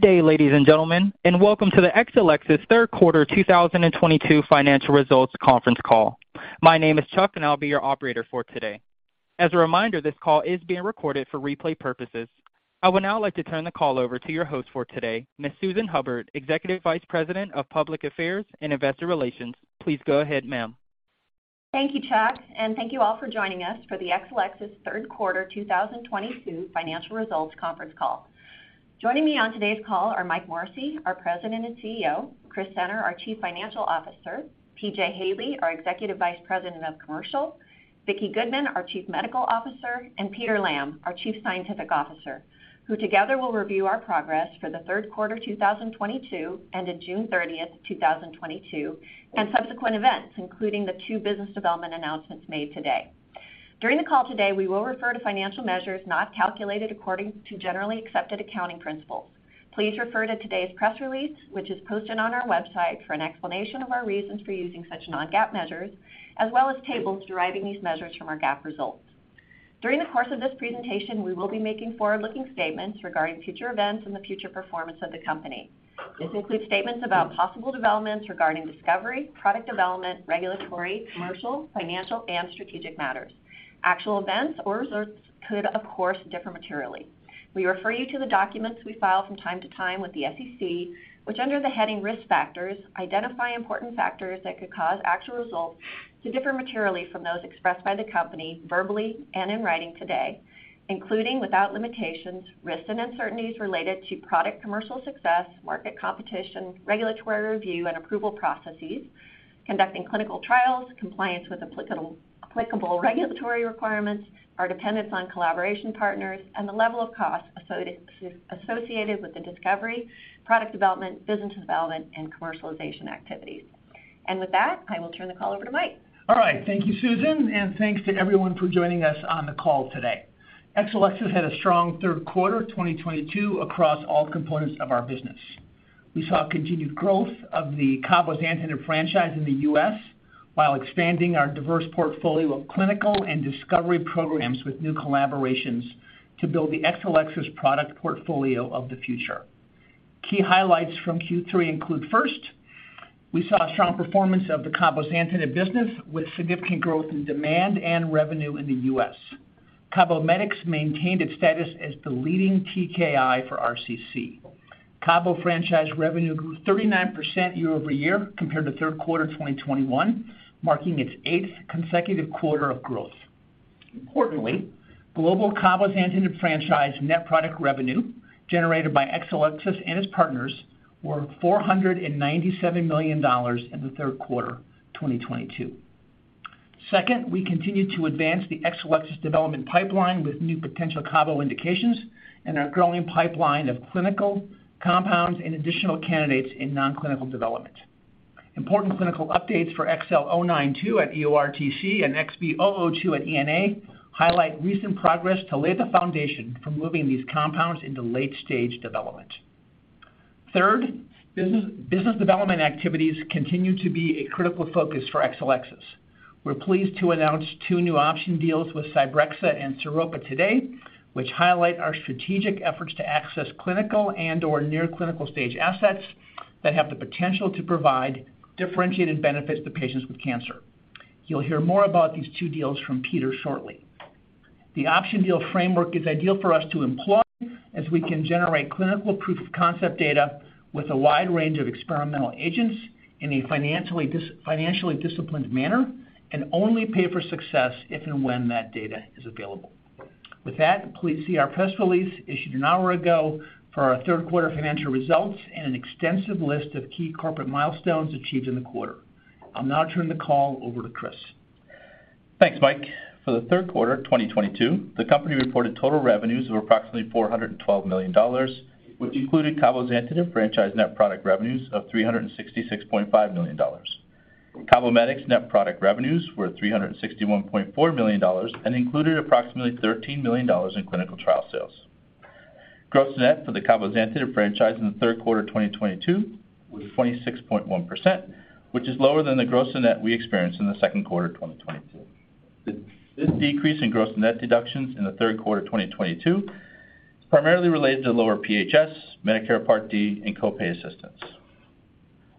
Good day, ladies and gentlemen, and welcome to the Exelixis third quarter 2022 financial results conference call. My name is Chuck and I'll be your operator for today. As a reminder, this call is being recorded for replay purposes. I would now like to turn the call over to your host for today, Ms. Susan Hubbard, Executive Vice President of Public Affairs and Investor Relations. Please go ahead, ma'am. Thank you, Chuck, and thank you all for joining us for the Exelixis third quarter 2022 financial results conference call. Joining me on today's call are Mike Morrissey, our President and Chief Executive Officer, Christopher J. Senner, our Chief Financial Officer, P.J. Haley, our Executive Vice President of Commercial, Vicki Goodman, our Chief Medical Officer, and Peter Lamb, our Chief Scientific Officer, who together will review our progress for the third quarter 2022 ended June 30, 2022, and subsequent events, including the two business development announcements made today. During the call today, we will refer to financial measures not calculated according to generally accepted accounting principles. Please refer to today's press release, which is posted on our website, for an explanation of our reasons for using such non-GAAP measures, as well as tables deriving these measures from our GAAP results. During the course of this presentation, we will be making forward-looking statements regarding future events and the future performance of the company. This includes statements about possible developments regarding discovery, product development, regulatory, commercial, financial, and strategic matters. Actual events or results could, of course, differ materially. We refer you to the documents we file from time to time with the SEC, which under the heading Risk Factors, identify important factors that could cause actual results to differ materially from those expressed by the company verbally and in writing today, including without limitations, risks and uncertainties related to product commercial success, market competition, regulatory review and approval processes, conducting clinical trials, compliance with applicable regulatory requirements, our dependence on collaboration partners, and the level of costs associated with the discovery, product development, business development, and commercialization activities. With that, I will turn the call over to Mike. All right. Thank you, Susan, and thanks to everyone for joining us on the call today. Exelixis had a strong third quarter 2022 across all components of our business. We saw continued growth of the Cabozantinib franchise in the U.S. while expanding our diverse portfolio of clinical and discovery programs with new collaborations to build the Exelixis product portfolio of the future. Key highlights from Q3 include first, we saw a strong performance of the Cabozantinib business with significant growth in demand and revenue in the U.S. CABOMETYX maintained its status as the leading TKI for RCC. Cabo franchise revenue grew 39% year-over-year compared to third quarter 2021, marking its eighth consecutive quarter of growth. Importantly, global Cabozantinib franchise net product revenue generated by Exelixis and its partners were $497 million in the third quarter 2022. Second, we continued to advance the Exelixis development pipeline with new potential Cabo indications and our growing pipeline of clinical compounds and additional candidates in non-clinical development. Important clinical updates for XL092 at EORTC and XB002 at ENA highlight recent progress to lay the foundation for moving these compounds into late-stage development. Third, business development activities continue to be a critical focus for Exelixis. We're pleased to announce two new option deals with Cybrexa and Sairopa today, which highlight our strategic efforts to access clinical and/or near clinical stage assets that have the potential to provide differentiated benefits to patients with cancer. You'll hear more about these two deals from Peter shortly. The option deal framework is ideal for us to employ as we can generate clinical proof of concept data with a wide range of experimental agents in a financially disciplined manner and only pay for success if and when that data is available. With that, please see our press release issued an hour ago for our third quarter financial results and an extensive list of key corporate milestones achieved in the quarter. I'll now turn the call over to Chris. Thanks, Mike. For the third quarter 2022, the company reported total revenues of approximately $412 million, which included Cabozantinib franchise net product revenues of $366.5 million. CABOMETYX net product revenues were $361.4 million and included approximately $13 million in clinical trial sales. Gross net for the Cabozantinib franchise in the third quarter 2022 was 26.1%, which is lower than the gross and net we experienced in the second quarter 2022. This decrease in gross net deductions in the third quarter 2022 is primarily related to lower PHS, Medicare Part D, and co-pay assistance.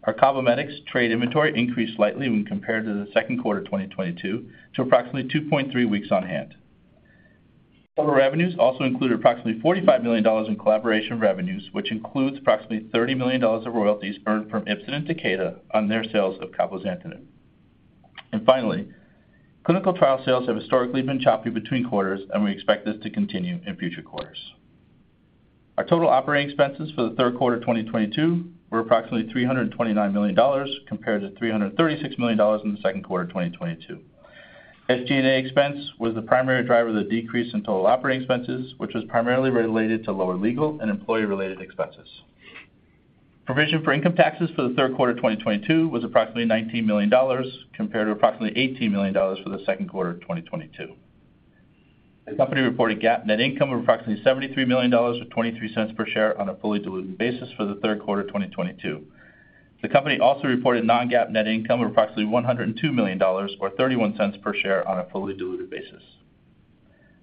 Our CABOMETYX trade inventory increased slightly when compared to the second quarter 2022 to approximately two point three weeks on hand. Total revenues also included approximately $45 million in collaboration revenues, which includes approximately $30 million of royalties earned from Ipsen and Takeda on their sales of Cabozantinib. Finally, clinical trial sales have historically been choppy between quarters, and we expect this to continue in future quarters. Our total operating expenses for the third quarter 2022 were approximately $329 million compared to $336 million in the second quarter 2022. SG&A expense was the primary driver of the decrease in total operating expenses, which was primarily related to lower legal and employee-related expenses. Provision for income taxes for the third quarter 2022 was approximately $19 million compared to approximately $18 million for the second quarter 2022. The company reported GAAP net income of approximately $73 million or $0.23 per share on a fully diluted basis for the third quarter 2022. The company also reported non-GAAP net income of approximately $102 million or $0.31 per share on a fully diluted basis.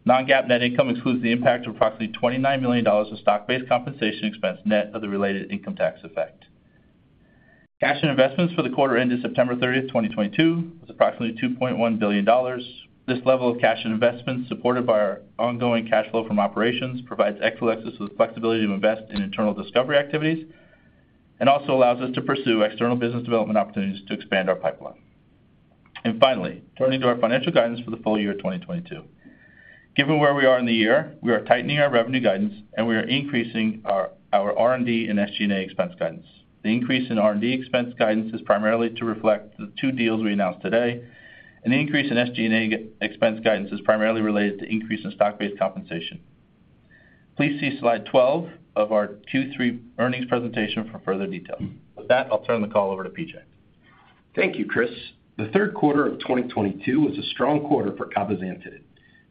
Non-GAAP net income excludes the impact of approximately $29 million of stock-based compensation expense net of the related income tax effect. Cash and investments for the quarter ended September 30, 2022 was approximately $2.1 billion. This level of cash and investments, supported by our ongoing cash flow from operations, provides Exelixis with flexibility to invest in internal discovery activities and also allows us to pursue external business development opportunities to expand our pipeline. Finally, turning to our financial guidance for the full year of 2022. Given where we are in the year, we are tightening our revenue guidance, and we are increasing our R&D and SG&A expense guidance. The increase in R&D expense guidance is primarily to reflect the 2 deals we announced today, and the increase in SG&A expense guidance is primarily related to increase in stock-based compensation. Please see slide 12 of our Q3 earnings presentation for further detail. With that, I'll turn the call over to P.J. Thank you, Chris. The third quarter of 2022 was a strong quarter for Cabozantinib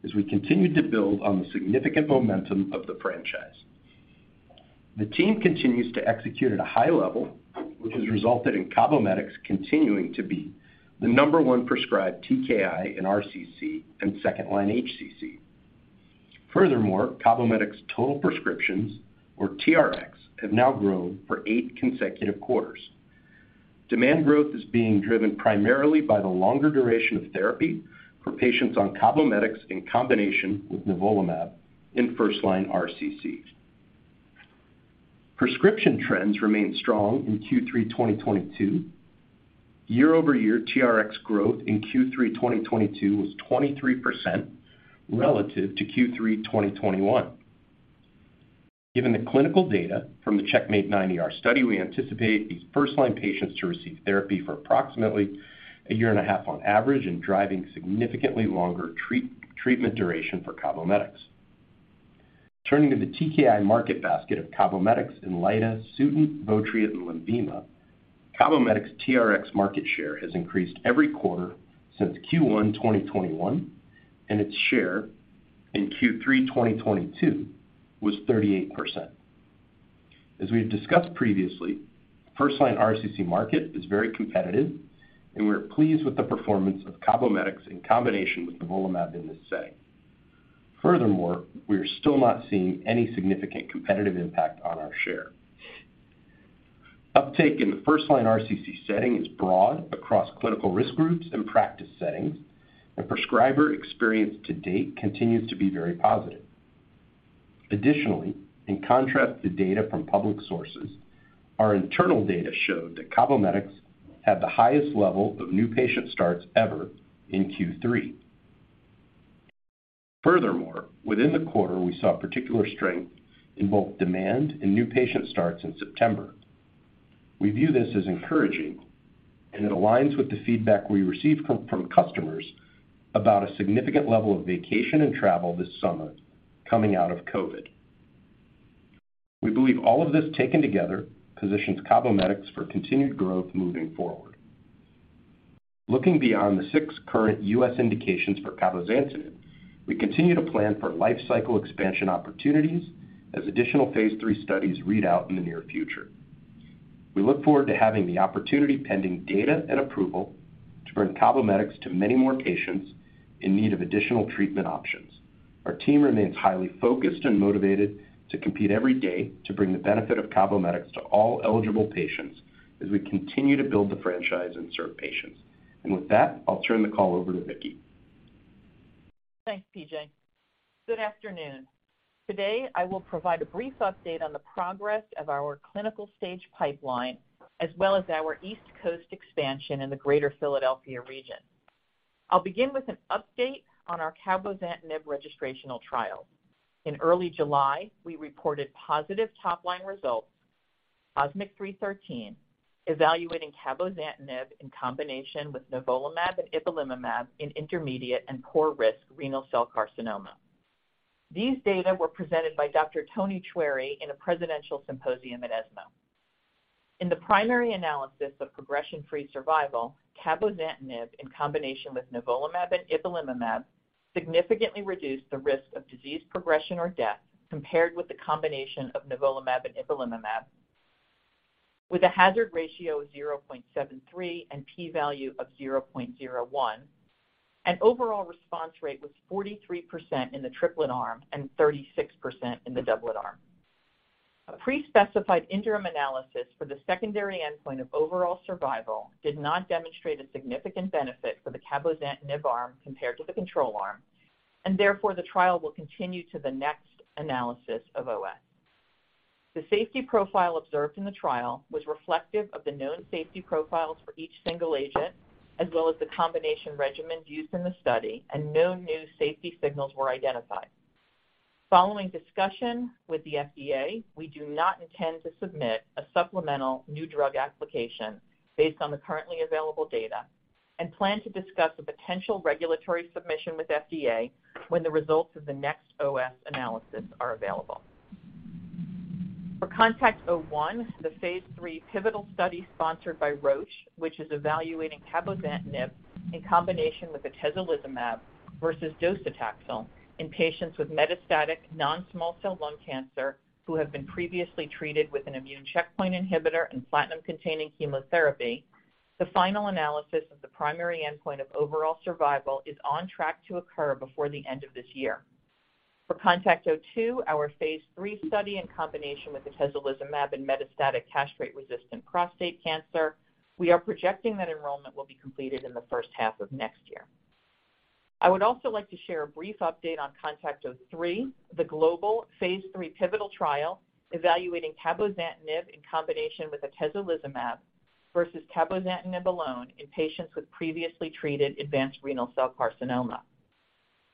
as we continued to build on the significant momentum of the franchise. The team continues to execute at a high level, which has resulted in CABOMETYX continuing to be the number one prescribed TKI in RCC and second-line HCC. Furthermore, CABOMETYX total prescriptions, or TRXs, have now grown for eight consecutive quarters. Demand growth is being driven primarily by the longer duration of therapy for patients on CABOMETYX in combination with nivolumab in first-line RCC. Prescription trends remained strong in Q3 2022. Year-over-year TRX growth in Q3 2022 was 23% relative to Q3 2021. Given the clinical data from the CheckMate 9ER study, we anticipate these first-line patients to receive therapy for approximately a year and a half on average and driving significantly longer treatment duration for CABOMETYX. Turning to the TKI market basket of CABOMETYX, ALECENSA, SUTENT, VOTRIENT, and LENVIMA, CABOMETYX TRX market share has increased every quarter since Q1 2021, and its share in Q3 2022 was 38%. As we have discussed previously, first-line RCC market is very competitive, and we're pleased with the performance of CABOMETYX in combination with nivolumab in this setting. Furthermore, we are still not seeing any significant competitive impact on our share. Uptake in the first-line RCC setting is broad across clinical risk groups and practice settings, and prescriber experience to date continues to be very positive. Additionally, in contrast to data from public sources, our internal data showed that CABOMETYX had the highest level of new patient starts ever in Q3. Furthermore, within the quarter, we saw particular strength in both demand and new patient starts in September. We view this as encouraging, and it aligns with the feedback we received from customers about a significant level of vacation and travel this summer coming out of COVID. We believe all of this taken together positions CABOMETYX for continued growth moving forward. Looking beyond the 6 current U.S. indications for Cabozantinib, we continue to plan for life cycle expansion opportunities as additional phase III studies read out in the near future. We look forward to having the opportunity pending data and approval to bring CABOMETYX to many more patients in need of additional treatment options. Our team remains highly focused and motivated to compete every day to bring the benefit of CABOMETYX to all eligible patients as we continue to build the franchise and serve patients. With that, I'll turn the call over to Vicki. Thanks, P.J. Good afternoon. Today, I will provide a brief update on the progress of our clinical stage pipeline, as well as our East Coast expansion in the Greater Philadelphia region. I'll begin with an update on our cabozantinib registrational trial. In early July, we reported positive top-line results, COSMIC-313, evaluating cabozantinib in combination with nivolumab and ipilimumab in intermediate and poor-risk renal cell carcinoma. These data were presented by Dr. Toni Choueiri in a presidential symposium at ESMO. In the primary analysis of progression-free survival, cabozantinib in combination with nivolumab and ipilimumab significantly reduced the risk of disease progression or death compared with the combination of nivolumab and ipilimumab, with a hazard ratio of 0.73 and P value of 0.01. An overall response rate was 43% in the triplet arm and 36% in the doublet arm. A pre-specified interim analysis for the secondary endpoint of overall survival did not demonstrate a significant benefit for the Cabozantinib arm compared to the control arm, and therefore, the trial will continue to the next analysis of OS. The safety profile observed in the trial was reflective of the known safety profiles for each single agent, as well as the combination regimens used in the study, and no new safety signals were identified. Following discussion with the FDA, we do not intend to submit a supplemental new drug application based on the currently available data and plan to discuss a potential regulatory submission with FDA when the results of the next OS analysis are available. For CONTACT-01, the phase III pivotal study sponsored by Roche, which is evaluating cabozantinib in combination with atezolizumab versus docetaxel in patients with metastatic non-small cell lung cancer who have been previously treated with an immune checkpoint inhibitor and platinum-containing chemotherapy. The final analysis of the primary endpoint of overall survival is on track to occur before the end of this year. For CONTACT-02, our phase III study in combination with atezolizumab in metastatic castration-resistant prostate cancer, we are projecting that enrollment will be completed in the first half of next year. I would also like to share a brief update on CONTACT-03, the global phase III pivotal trial evaluating cabozantinib in combination with atezolizumab versus cabozantinib alone in patients with previously treated advanced renal cell carcinoma.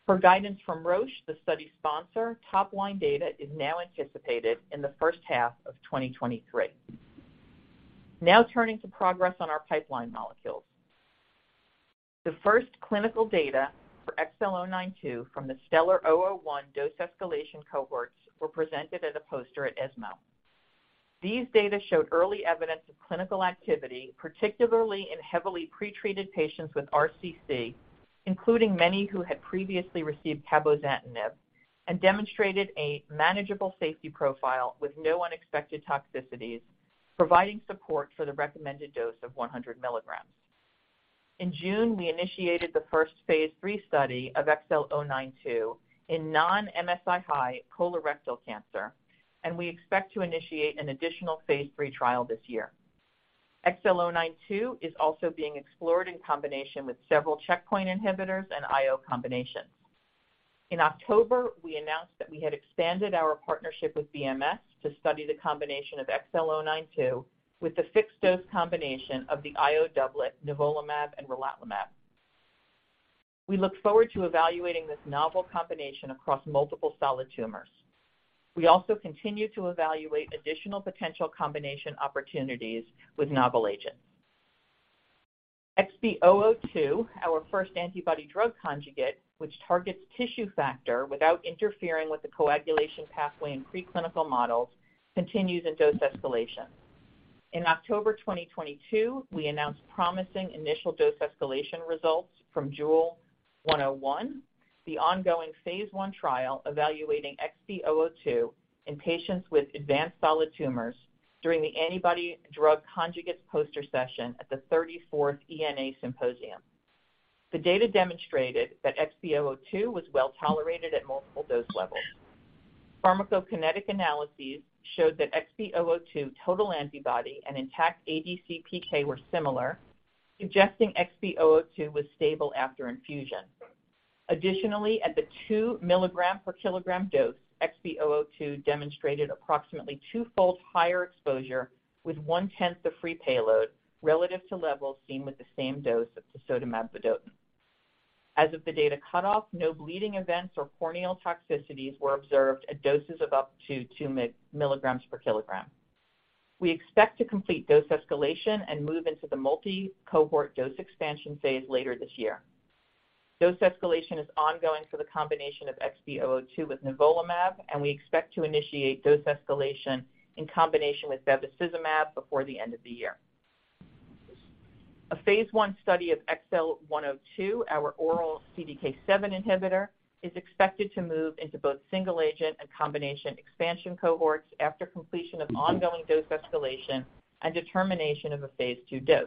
Per guidance from Roche, the study sponsor, top-line data is now anticipated in the first half of 2023. Now turning to progress on our pipeline molecules. The first clinical data for XL092 from the STELLAR-001 dose escalation cohorts were presented as a poster at ESMO. These data showed early evidence of clinical activity, particularly in heavily pretreated patients with RCC, including many who had previously received cabozantinib, and demonstrated a manageable safety profile with no unexpected toxicities, providing support for the recommended dose of 100 milligrams. In June, we initiated the first phase III study of XL092 in non-MSI-high colorectal cancer, and we expect to initiate an additional phase III trial this year. XL092 is also being explored in combination with several checkpoint inhibitors and IO combinations. In October, we announced that we had expanded our partnership with BMS to study the combination of XL092 with the fixed dose combination of the IO doublet nivolumab and relatlimab. We look forward to evaluating this novel combination across multiple solid tumors. We also continue to evaluate additional potential combination opportunities with novel agents. XB002, our first antibody-drug conjugate, which targets tissue factor without interfering with the coagulation pathway in preclinical models, continues in dose escalation. In October 2022, we announced promising initial dose escalation results from JEWEL-101, the ongoing phase I trial evaluating XB002 in patients with advanced solid tumors during the antibody-drug conjugates poster session at the 34th ESMO Symposium. The data demonstrated that XB002 was well tolerated at multiple dose levels. Pharmacokinetic analyses showed that XB002 total antibody and intact ADC PK were similar, suggesting XB002 was stable after infusion. Additionally, at the 2 milligrams per kilogram dose, XB002 demonstrated approximately two-fold higher exposure with one-tenth the free payload relative to levels seen with the same dose of tisotumab vedotin. As of the data cutoff, no bleeding events or corneal toxicities were observed at doses of up to 2 milligrams per kilogram. We expect to complete dose escalation and move into the multi-cohort dose expansion phase later this year. Dose escalation is ongoing for the combination of XB002 with nivolumab, and we expect to initiate dose escalation in combination with bevacizumab before the end of the year. A phase I study of XL102, our oral CDK7 inhibitor, is expected to move into both single agent and combination expansion cohorts after completion of ongoing dose escalation and determination of a phase II dose.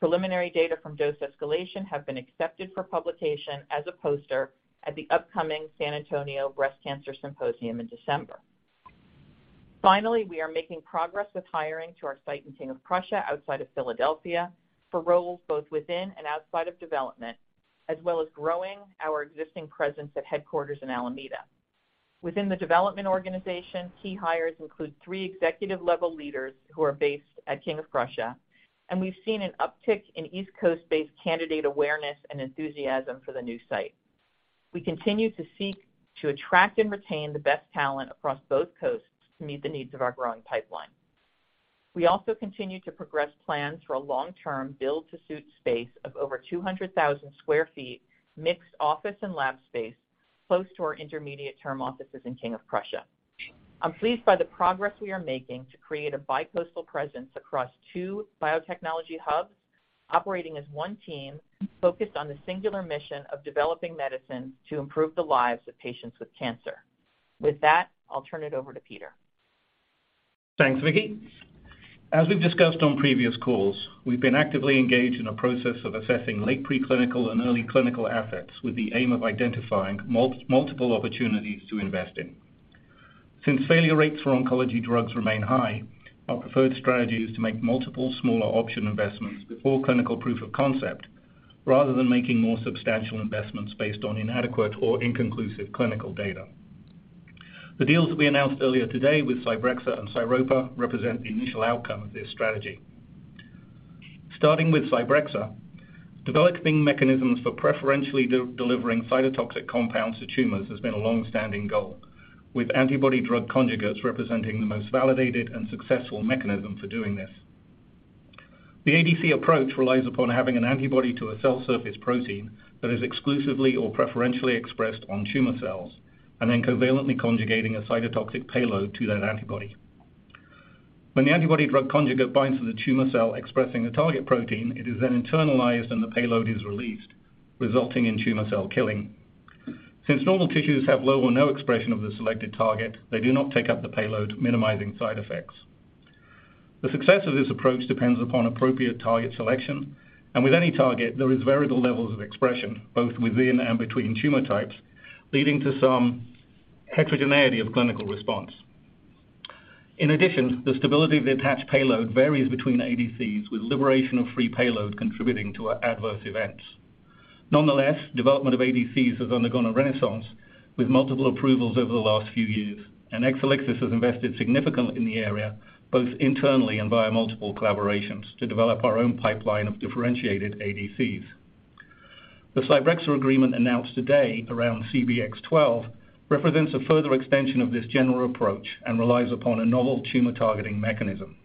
Preliminary data from dose escalation have been accepted for publication as a poster at the upcoming San Antonio Breast Cancer Symposium in December. Finally, we are making progress with hiring to our site in King of Prussia outside of Philadelphia for roles both within and outside of development, as well as growing our existing presence at headquarters in Alameda. Within the development organization, key hires include three executive-level leaders who are based at King of Prussia, and we've seen an uptick in East Coast-based candidate awareness and enthusiasm for the new site. We continue to seek to attract and retain the best talent across both coasts to meet the needs of our growing pipeline. We also continue to progress plans for a long-term build-to-suit space of over 200,000 sq ft, mixed office and lab space close to our intermediate-term offices in King of Prussia. I'm pleased by the progress we are making to create a bicoastal presence across two biotechnology hubs operating as one team focused on the singular mission of developing medicine to improve the lives of patients with cancer. With that, I'll turn it over to Peter. Thanks, Vicki. As we've discussed on previous calls, we've been actively engaged in a process of assessing late preclinical and early clinical assets with the aim of identifying multiple opportunities to invest in. Since failure rates for oncology drugs remain high, our preferred strategy is to make multiple smaller option investments before clinical proof of concept, rather than making more substantial investments based on inadequate or inconclusive clinical data. The deals that we announced earlier today with Cybrexa and Sairopa represent the initial outcome of this strategy. Starting with Cybrexa, developing mechanisms for preferentially delivering cytotoxic compounds to tumors has been a long-standing goal, with antibody-drug conjugates representing the most validated and successful mechanism for doing this. The ADC approach relies upon having an antibody to a cell surface protein that is exclusively or preferentially expressed on tumor cells, and then covalently conjugating a cytotoxic payload to that antibody. When the antibody-drug conjugate binds to the tumor cell expressing the target protein, it is then internalized, and the payload is released, resulting in tumor cell killing. Since normal tissues have low or no expression of the selected target, they do not take up the payload, minimizing side effects. The success of this approach depends upon appropriate target selection, and with any target there is variable levels of expression, both within and between tumor types, leading to some heterogeneity of clinical response. In addition, the stability of the attached payload varies between ADCs, with liberation of free payload contributing to adverse events. Nonetheless, development of ADCs has undergone a renaissance with multiple approvals over the last few years, and Exelixis has invested significantly in the area, both internally and via multiple collaborations to develop our own pipeline of differentiated ADCs. The Cybrexa agreement announced today around CBX-12 represents a further extension of this general approach and relies upon a novel tumor targeting mechanism.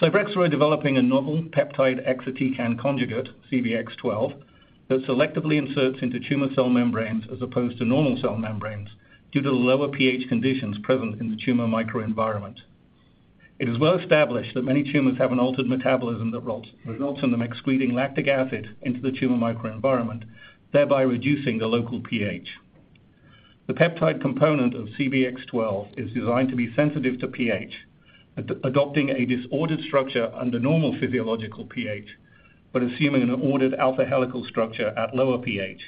Cybrexa are developing a novel peptide exatecan conjugate, CBX-12, that selectively inserts into tumor cell membranes as opposed to normal cell membranes due to the lower pH conditions present in the tumor microenvironment. It is well established that many tumors have an altered metabolism that results in them excreting lactic acid into the tumor microenvironment, thereby reducing the local pH. The peptide component of CBX-12 is designed to be sensitive to pH, adopting a disordered structure under normal physiological pH, but assuming an ordered alpha helical structure at lower pH,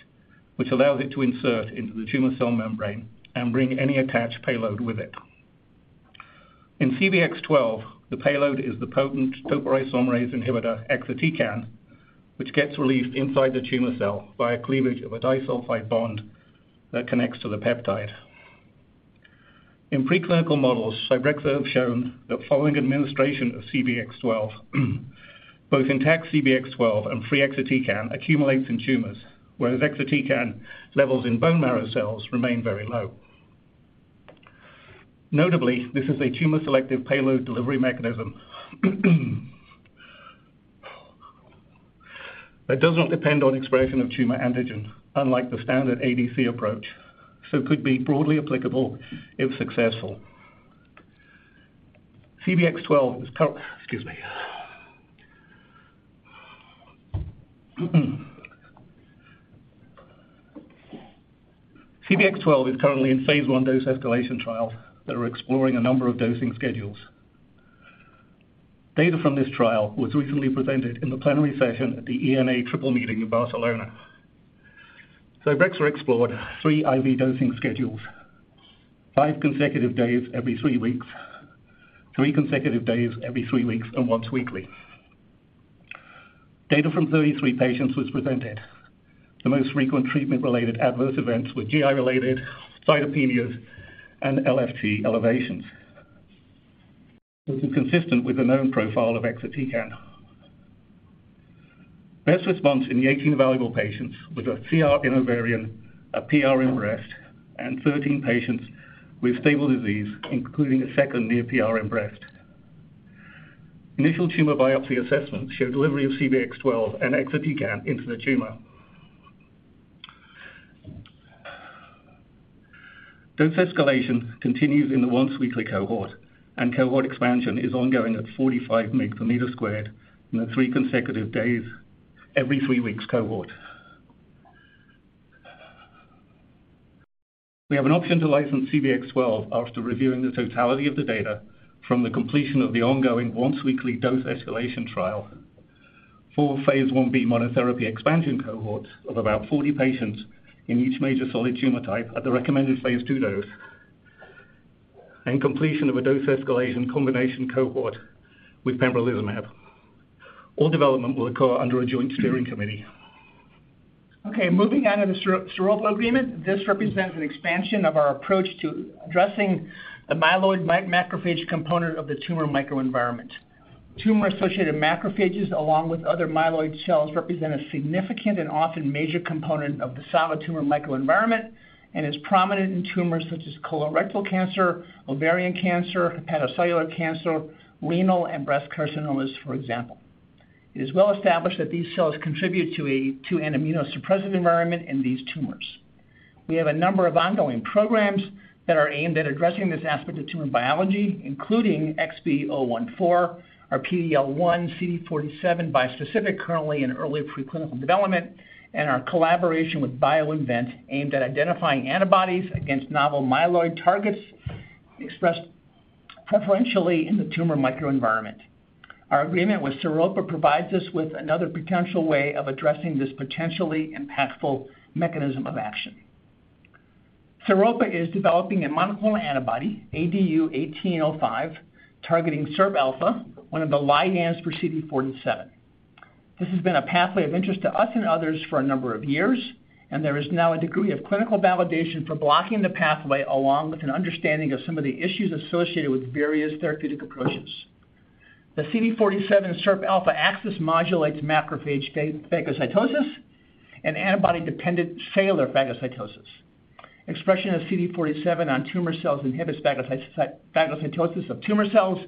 which allows it to insert into the tumor cell membrane and bring any attached payload with it. In CBX-12, the payload is the potent topoisomerase inhibitor exatecan, which gets released inside the tumor cell via cleavage of a disulfide bond that connects to the peptide. In preclinical models, Cybrexa have shown that following administration of CBX-12, both intact CBX-12 and free exatecan accumulates in tumors, whereas exatecan levels in bone marrow cells remain very low. Notably, this is a tumor selective payload delivery mechanism that does not depend on expression of tumor antigens, unlike the standard ADC approach, so could be broadly applicable if successful. CBX-12 is currently in phase I dose escalation trials that are exploring a number of dosing schedules. Data from this trial was recently presented in the plenary session at the ESMO meeting in Barcelona. Cybrexa explored three IV dosing schedules, five consecutive days every three weeks, three consecutive days every three weeks, and once weekly. Data from 33 patients was presented. The most frequent treatment-related adverse events were GI-related cytopenias and LFT elevations, which is consistent with the known profile of exatecan. Best response in the 18 evaluable patients with a CR in ovarian, a PR in breast, and 13 patients with stable disease, including a second near PR in breast. Initial tumor biopsy assessments show delivery of CBX-12 and exatecan into the tumor. Dose escalation continues in the once weekly cohort, and cohort expansion is ongoing at 45 mg/m² in the three consecutive days every three weeks cohort. We have an option to license CBX-12 after reviewing the totality of the data from the completion of the ongoing once weekly dose escalation trial for phase I-B monotherapy expansion cohorts of about 40 patients in each major solid tumor type at the recommended phase II dose and completion of a dose escalation combination cohort with pembrolizumab. All development will occur under a joint steering committee. Okay, moving on to the Sairopa agreement. This represents an expansion of our approach to addressing the myeloid macrophage component of the tumor microenvironment. Tumor-associated macrophages, along with other myeloid cells, represent a significant and often major component of the solid tumor microenvironment and is prominent in tumors such as colorectal cancer, ovarian cancer, hepatocellular cancer, renal and breast carcinomas, for example. It is well established that these cells contribute to an immunosuppressive environment in these tumors. We have a number of ongoing programs that are aimed at addressing this aspect of tumor biology, including XB014, our PD-L1-CD47 bispecific currently in early preclinical development, and our collaboration with BioInvent aimed at identifying antibodies against novel myeloid targets expressed preferentially in the tumor microenvironment. Our agreement with Sairopa provides us with another potential way of addressing this potentially impactful mechanism of action. Sairopa is developing a monoclonal antibody, ADU-1805, targeting SIRPalpha, one of the ligands for CD47. This has been a pathway of interest to us and others for a number of years, and there is now a degree of clinical validation for blocking the pathway along with an understanding of some of the issues associated with various therapeutic approaches. The CD47 SIRPalpha axis modulates macrophage phagocytosis and antibody-dependent cellular phagocytosis. Expression of CD47 on tumor cells inhibits phagocytosis of tumor cells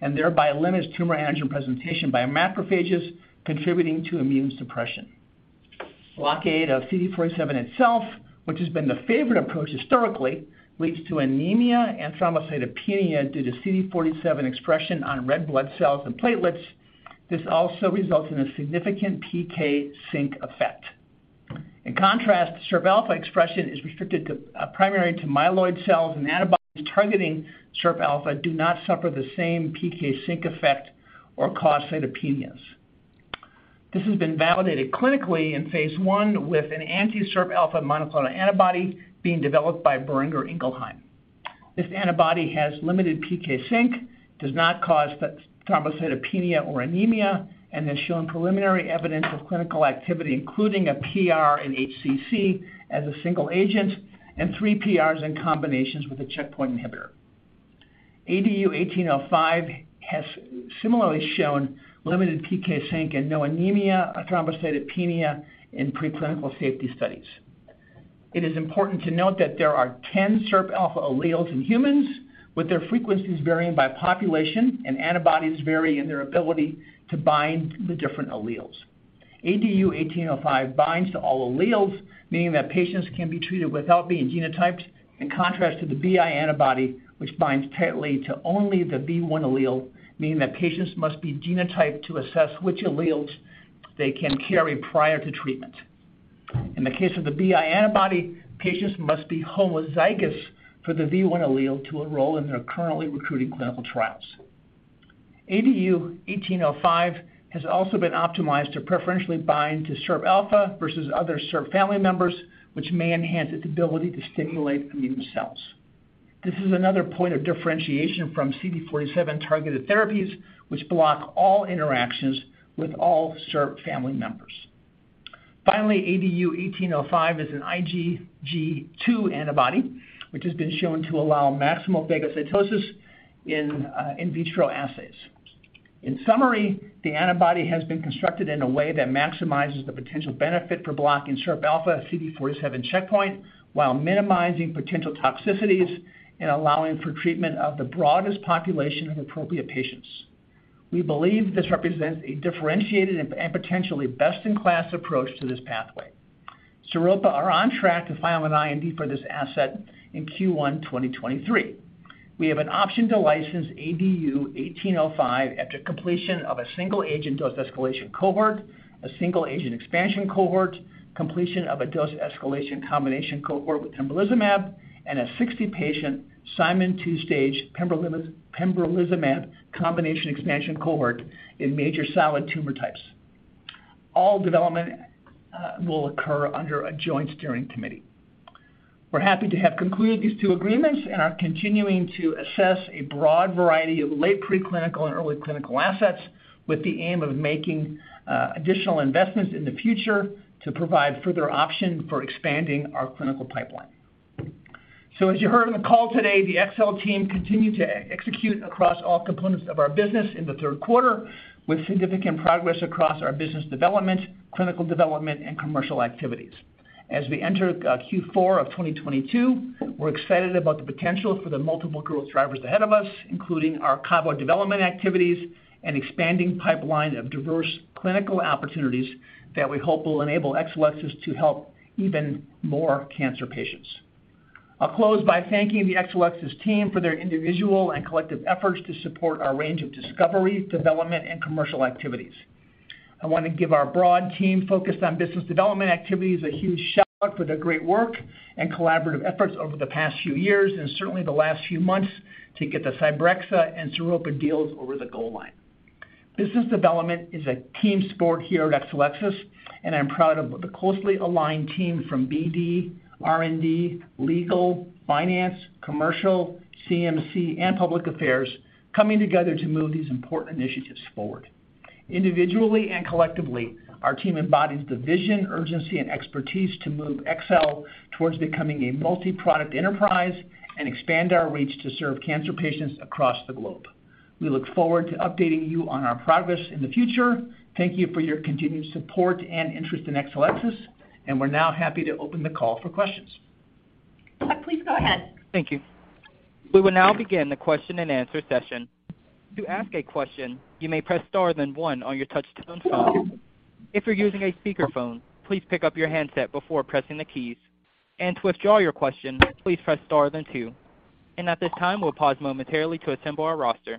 and thereby limits tumor antigen presentation by macrophages contributing to immune suppression. Blockade of CD47 itself, which has been the favored approach historically, leads to anemia and thrombocytopenia due to CD47 expression on red blood cells and platelets. This also results in a significant PK sink effect. In contrast, SIRPalpha expression is restricted primarily to myeloid cells, and antibodies targeting SIRPalpha do not suffer the same PK sink effect or cause cytopenias. This has been validated clinically in phase I with an anti-SIRPalpha monoclonal antibody being developed by Boehringer Ingelheim. This antibody has limited PK sink, does not cause thrombocytopenia or anemia, and has shown preliminary evidence of clinical activity, including a PR in HCC as a single agent and three PRs in combinations with a checkpoint inhibitor. ADU-1805 has similarly shown limited PK sink and no anemia or thrombocytopenia in preclinical safety studies. It is important to note that there are 10 SIRPalpha alleles in humans, with their frequencies varying by population, and antibodies vary in their ability to bind the different alleles. ADU-1805 binds to all alleles, meaning that patients can be treated without being genotyped, in contrast to the BI antibody, which binds tightly to only the V1 allele, meaning that patients must be genotyped to assess which alleles they can carry prior to treatment. In the case of the BI antibody, patients must be homozygous for the V1 allele to enroll in their currently recruiting clinical trials. ADU-1805 has also been optimized to preferentially bind to SIRPalpha versus other SIRP family members, which may enhance its ability to stimulate immune cells. This is another point of differentiation from CD47-targeted therapies, which block all interactions with all SIRP family members. Finally, ADU-1805 is an IgG2 antibody, which has been shown to allow maximal phagocytosis in in vitro assays. In summary, the antibody has been constructed in a way that maximizes the potential benefit for blocking SIRPalpha CD47 checkpoint while minimizing potential toxicities and allowing for treatment of the broadest population of appropriate patients. We believe this represents a differentiated and potentially best-in-class approach to this pathway. Sairopa is on track to file an IND for this asset in Q1 2023. We have an option to license ADU-1805 after completion of a single agent dose escalation cohort, a single agent expansion cohort, completion of a dose escalation combination cohort with pembrolizumab, and a 60-patient Simon two-stage pembrolizumab combination expansion cohort in major solid tumor types. All development will occur under a joint steering committee. We're happy to have concluded these two agreements and are continuing to assess a broad variety of late preclinical and early clinical assets with the aim of making additional investments in the future to provide further option for expanding our clinical pipeline. As you heard on the call today, the XL team continued to execute across all components of our business in the third quarter with significant progress across our business development, clinical development, and commercial activities. As we enter Q4 of 2022, we're excited about the potential for the multiple growth drivers ahead of us, including our cabo development activities and expanding pipeline of diverse clinical opportunities that we hope will enable Exelixis to help even more cancer patients. I'll close by thanking the Exelixis team for their individual and collective efforts to support our range of discovery, development, and commercial activities. I wanna give our broad team focused on business development activities a huge shout-out for their great work and collaborative efforts over the past few years, and certainly the last few months to get the Cybrexa and Sairopa deals over the goal line. Business development is a team sport here at Exelixis, and I'm proud of the closely aligned team from BD, R&D, legal, finance, commercial, CMC, and public affairs coming together to move these important initiatives forward. Individually and collectively, our team embodies the vision, urgency, and expertise to move XL towards becoming a multi-product enterprise and expand our reach to serve cancer patients across the globe. We look forward to updating you on our progress in the future. Thank you for your continued support and interest in Exelixis, and we're now happy to open the call for questions. Please go ahead. Thank you. We will now begin the question-and-answer session. To ask a question, you may press star then one on your touchtone phone. If you're using a speakerphone, please pick up your handset before pressing the keys. To withdraw your question, please press star then two. At this time, we'll pause momentarily to assemble our roster.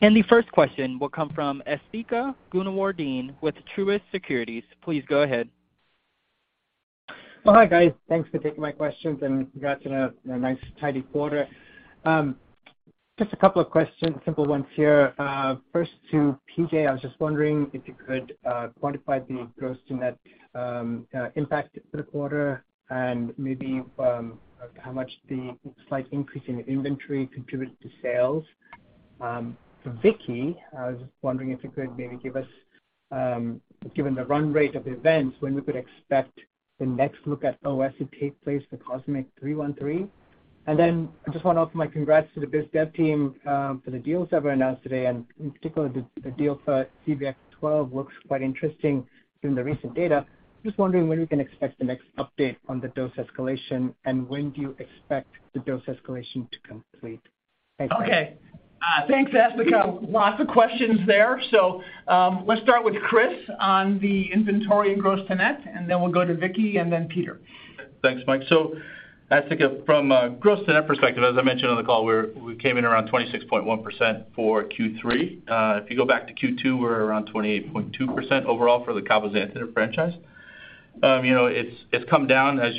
The first question will come from Asthika Goonewardene with Truist Securities. Please go ahead. Well hi, guys. Thanks for taking my questions and congrats on a nice tidy quarter. Just a couple of questions, simple ones here. First to P.J., I was just wondering if you could quantify the gross to net impact to the quarter and maybe how much the slight increase in inventory contributed to sales. For Vicki, I was just wondering if you could maybe give us, given the run rate of events, when we could expect the next look at OS to take place for COSMIC-313. Then I just want to offer my congrats to the biz dev team for the deals that were announced today, and in particular the deal for CBX-12 looks quite interesting given the recent data. Just wondering when we can expect the next update on the dose escalation, and when do you expect the dose escalation to complete? Okay. Thanks, Asthika. Lots of questions there. Let's start with Chris on the inventory and gross to net, and then we'll go to Vicki and then Peter. Thanks, Mike. Asthika, from a gross to net perspective, as I mentioned on the call, we came in around 26.1% for Q3. If you go back to Q2, we're around 28.2% overall for the Cabozantinib franchise. You know, it's come down as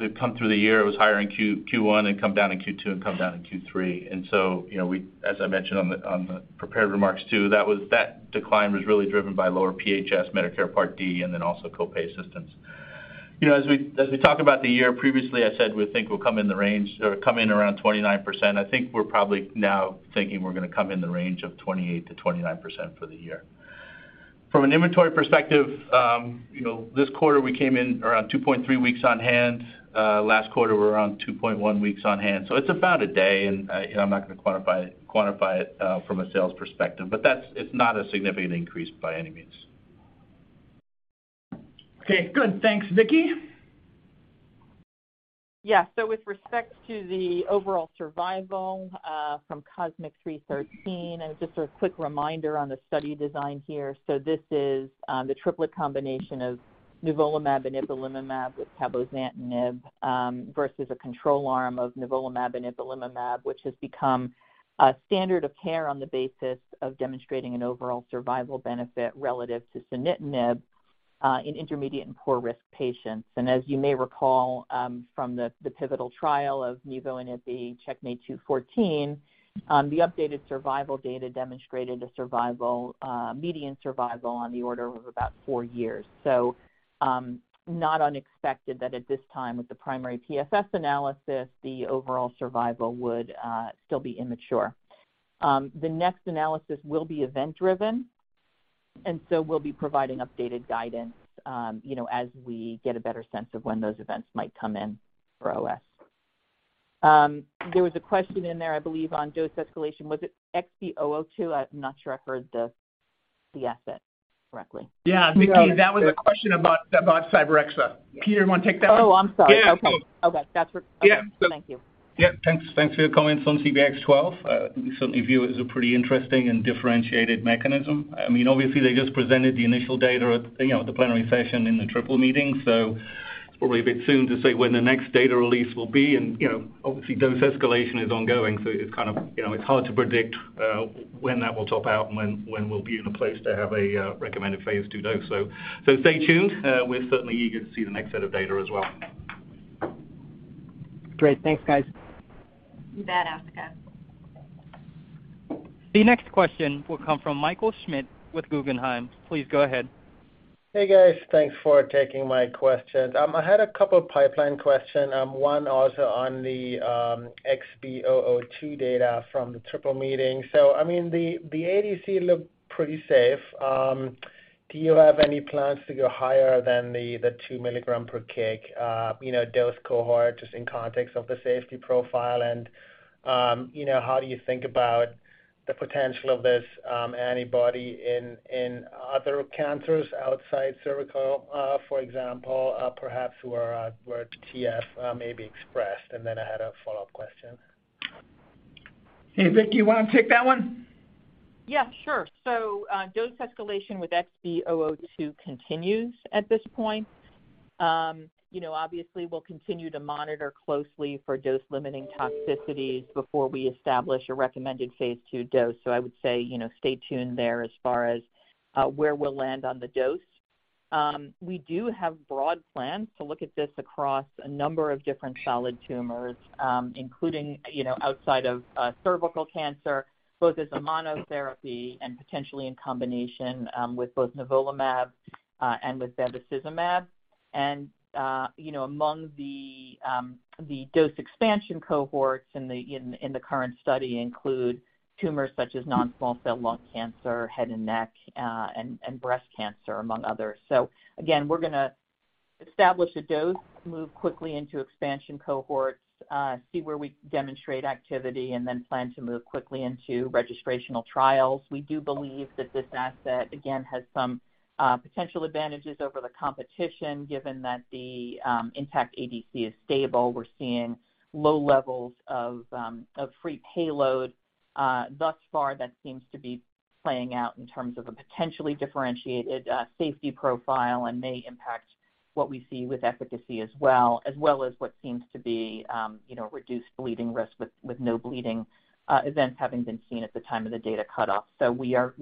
we've come through the year. It was higher in Q1 and come down in Q2 and come down in Q3. You know, as I mentioned on the prepared remarks too, that decline was really driven by lower PHS Medicare Part D and then also copay assistance. You know, as we talk about the year previously, I said we think we'll come in the range or come in around 29%. I think we're probably now thinking we're going to come in the range of 28%-29% for the year. From an inventory perspective, you know, this quarter we came in around two point three weeks on hand. Last quarter we were around two point one weeks on hand. It's about a day, and, you know, I'm not going to quantify it from a sales perspective, but that's. It's not a significant increase by any means. Okay. Good. Thanks. Vicki? Yeah. With respect to the overall survival from COSMIC-313, and just a quick reminder on the study design here. This is the triplet combination of nivolumab and ipilimumab with cabozantinib versus a control arm of nivolumab and ipilimumab, which has become a standard of care on the basis of demonstrating an overall survival benefit relative to sunitinib in intermediate and poor risk patients. As you may recall from the pivotal trial of nivo and ipi, CheckMate-214, the updated survival data demonstrated a median survival on the order of about four years. Not unexpected that at this time with the primary PFS analysis, the overall survival would still be immature. The next analysis will be event-driven, and so we'll be providing updated guidance, you know, as we get a better sense of when those events might come in for OS. There was a question in there, I believe, on dose escalation. Was it XB002? I'm not sure I heard the asset correctly. Yeah. Vicki, that was a question about Cybrexa. Peter, you want to take that one? Oh, I'm sorry. Yeah. Okay. That's Yeah. Thank you. Yeah. Thanks for your comments on CBX-12. We certainly view it as a pretty interesting and differentiated mechanism. I mean, obviously they just presented the initial data at, you know, the plenary session in the EORTC-NCI-AACR Symposium, so it's probably a bit soon to say when the next data release will be. You know, obviously dose escalation is ongoing, so it's kind of, you know, it's hard to predict when that will top out and when we'll be in a place to have a recommended phase II dose. Stay tuned. We're certainly eager to see the next set of data as well. Great. Thanks, guys. You bet, Asthika. The next question will come from Michael Schmidt with Guggenheim. Please go ahead. Hey, guys. Thanks for taking my questions. I had a couple pipeline questions, one also on the XB002 data from the EORTC-NCI-AACR Symposium. I mean, the ADC looked pretty safe. Do you have any plans to go higher than the 2 milligrams per kg dose cohort, just in context of the safety profile? How do you think about the potential of this antibody in other cancers outside cervical, for example, perhaps where TF may be expressed? Then I had a follow-up question. Hey, Vicki, you want to take that one? Yeah, sure. Dose escalation with XB002 continues at this point. You know, obviously we'll continue to monitor closely for dose-limiting toxicities before we establish a recommended phase II dose. I would say, you know, stay tuned there as far as where we'll land on the dose. We do have broad plans to look at this across a number of different solid tumors, including, you know, outside of cervical cancer, both as a monotherapy and potentially in combination with both nivolumab and with bevacizumab. You know, among the dose expansion cohorts in the current study include tumors such as non-small cell lung cancer, head and neck, and breast cancer among others. Again, we're going to establish a dose, move quickly into expansion cohorts, see where we demonstrate activity, and then plan to move quickly into registrational trials. We do believe that this asset, again, has some potential advantages over the competition, given that the intact ADC is stable. We're seeing low levels of free payload. Thus far, that seems to be playing out in terms of a potentially differentiated safety profile and may impact what we see with efficacy as well as what seems to be, you know, reduced bleeding risk with no bleeding events having been seen at the time of the data cutoff. We are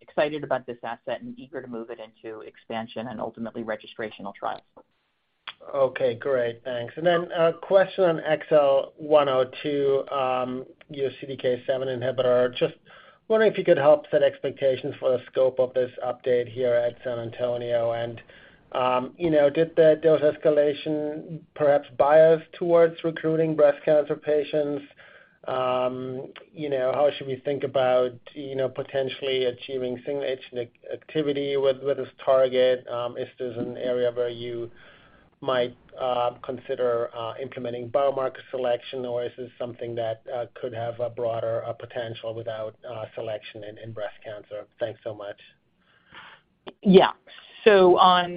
excited about this asset and eager to move it into expansion and ultimately registrational trials. Okay. Great. Thanks. A question on XL102, your CDK7 inhibitor. Just wondering if you could help set expectations for the scope of this update here at San Antonio. You know, did the dose escalation perhaps bias towards recruiting breast cancer patients? You know, how should we think about potentially achieving single agent activity with this target? If there's an area where you might consider implementing biomarker selection, or is this something that could have a broader potential without selection in breast cancer? Thanks so much. On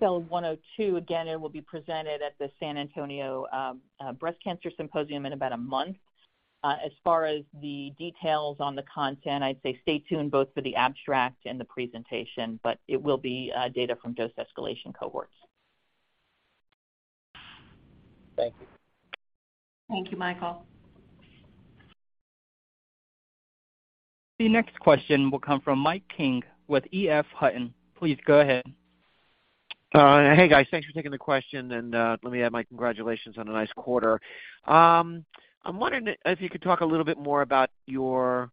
XL102, again, it will be presented at the San Antonio Breast Cancer Symposium in about a month. As far as the details on the content, I'd say stay tuned both for the abstract and the presentation, but it will be data from dose escalation cohorts. Thank you. Thank you, Michael. The next question will come from Mike King with EF Hutton. Please go ahead. Hey, guys. Thanks for taking the question, and let me add my congratulations on a nice quarter. I'm wondering if you could talk a little bit more about your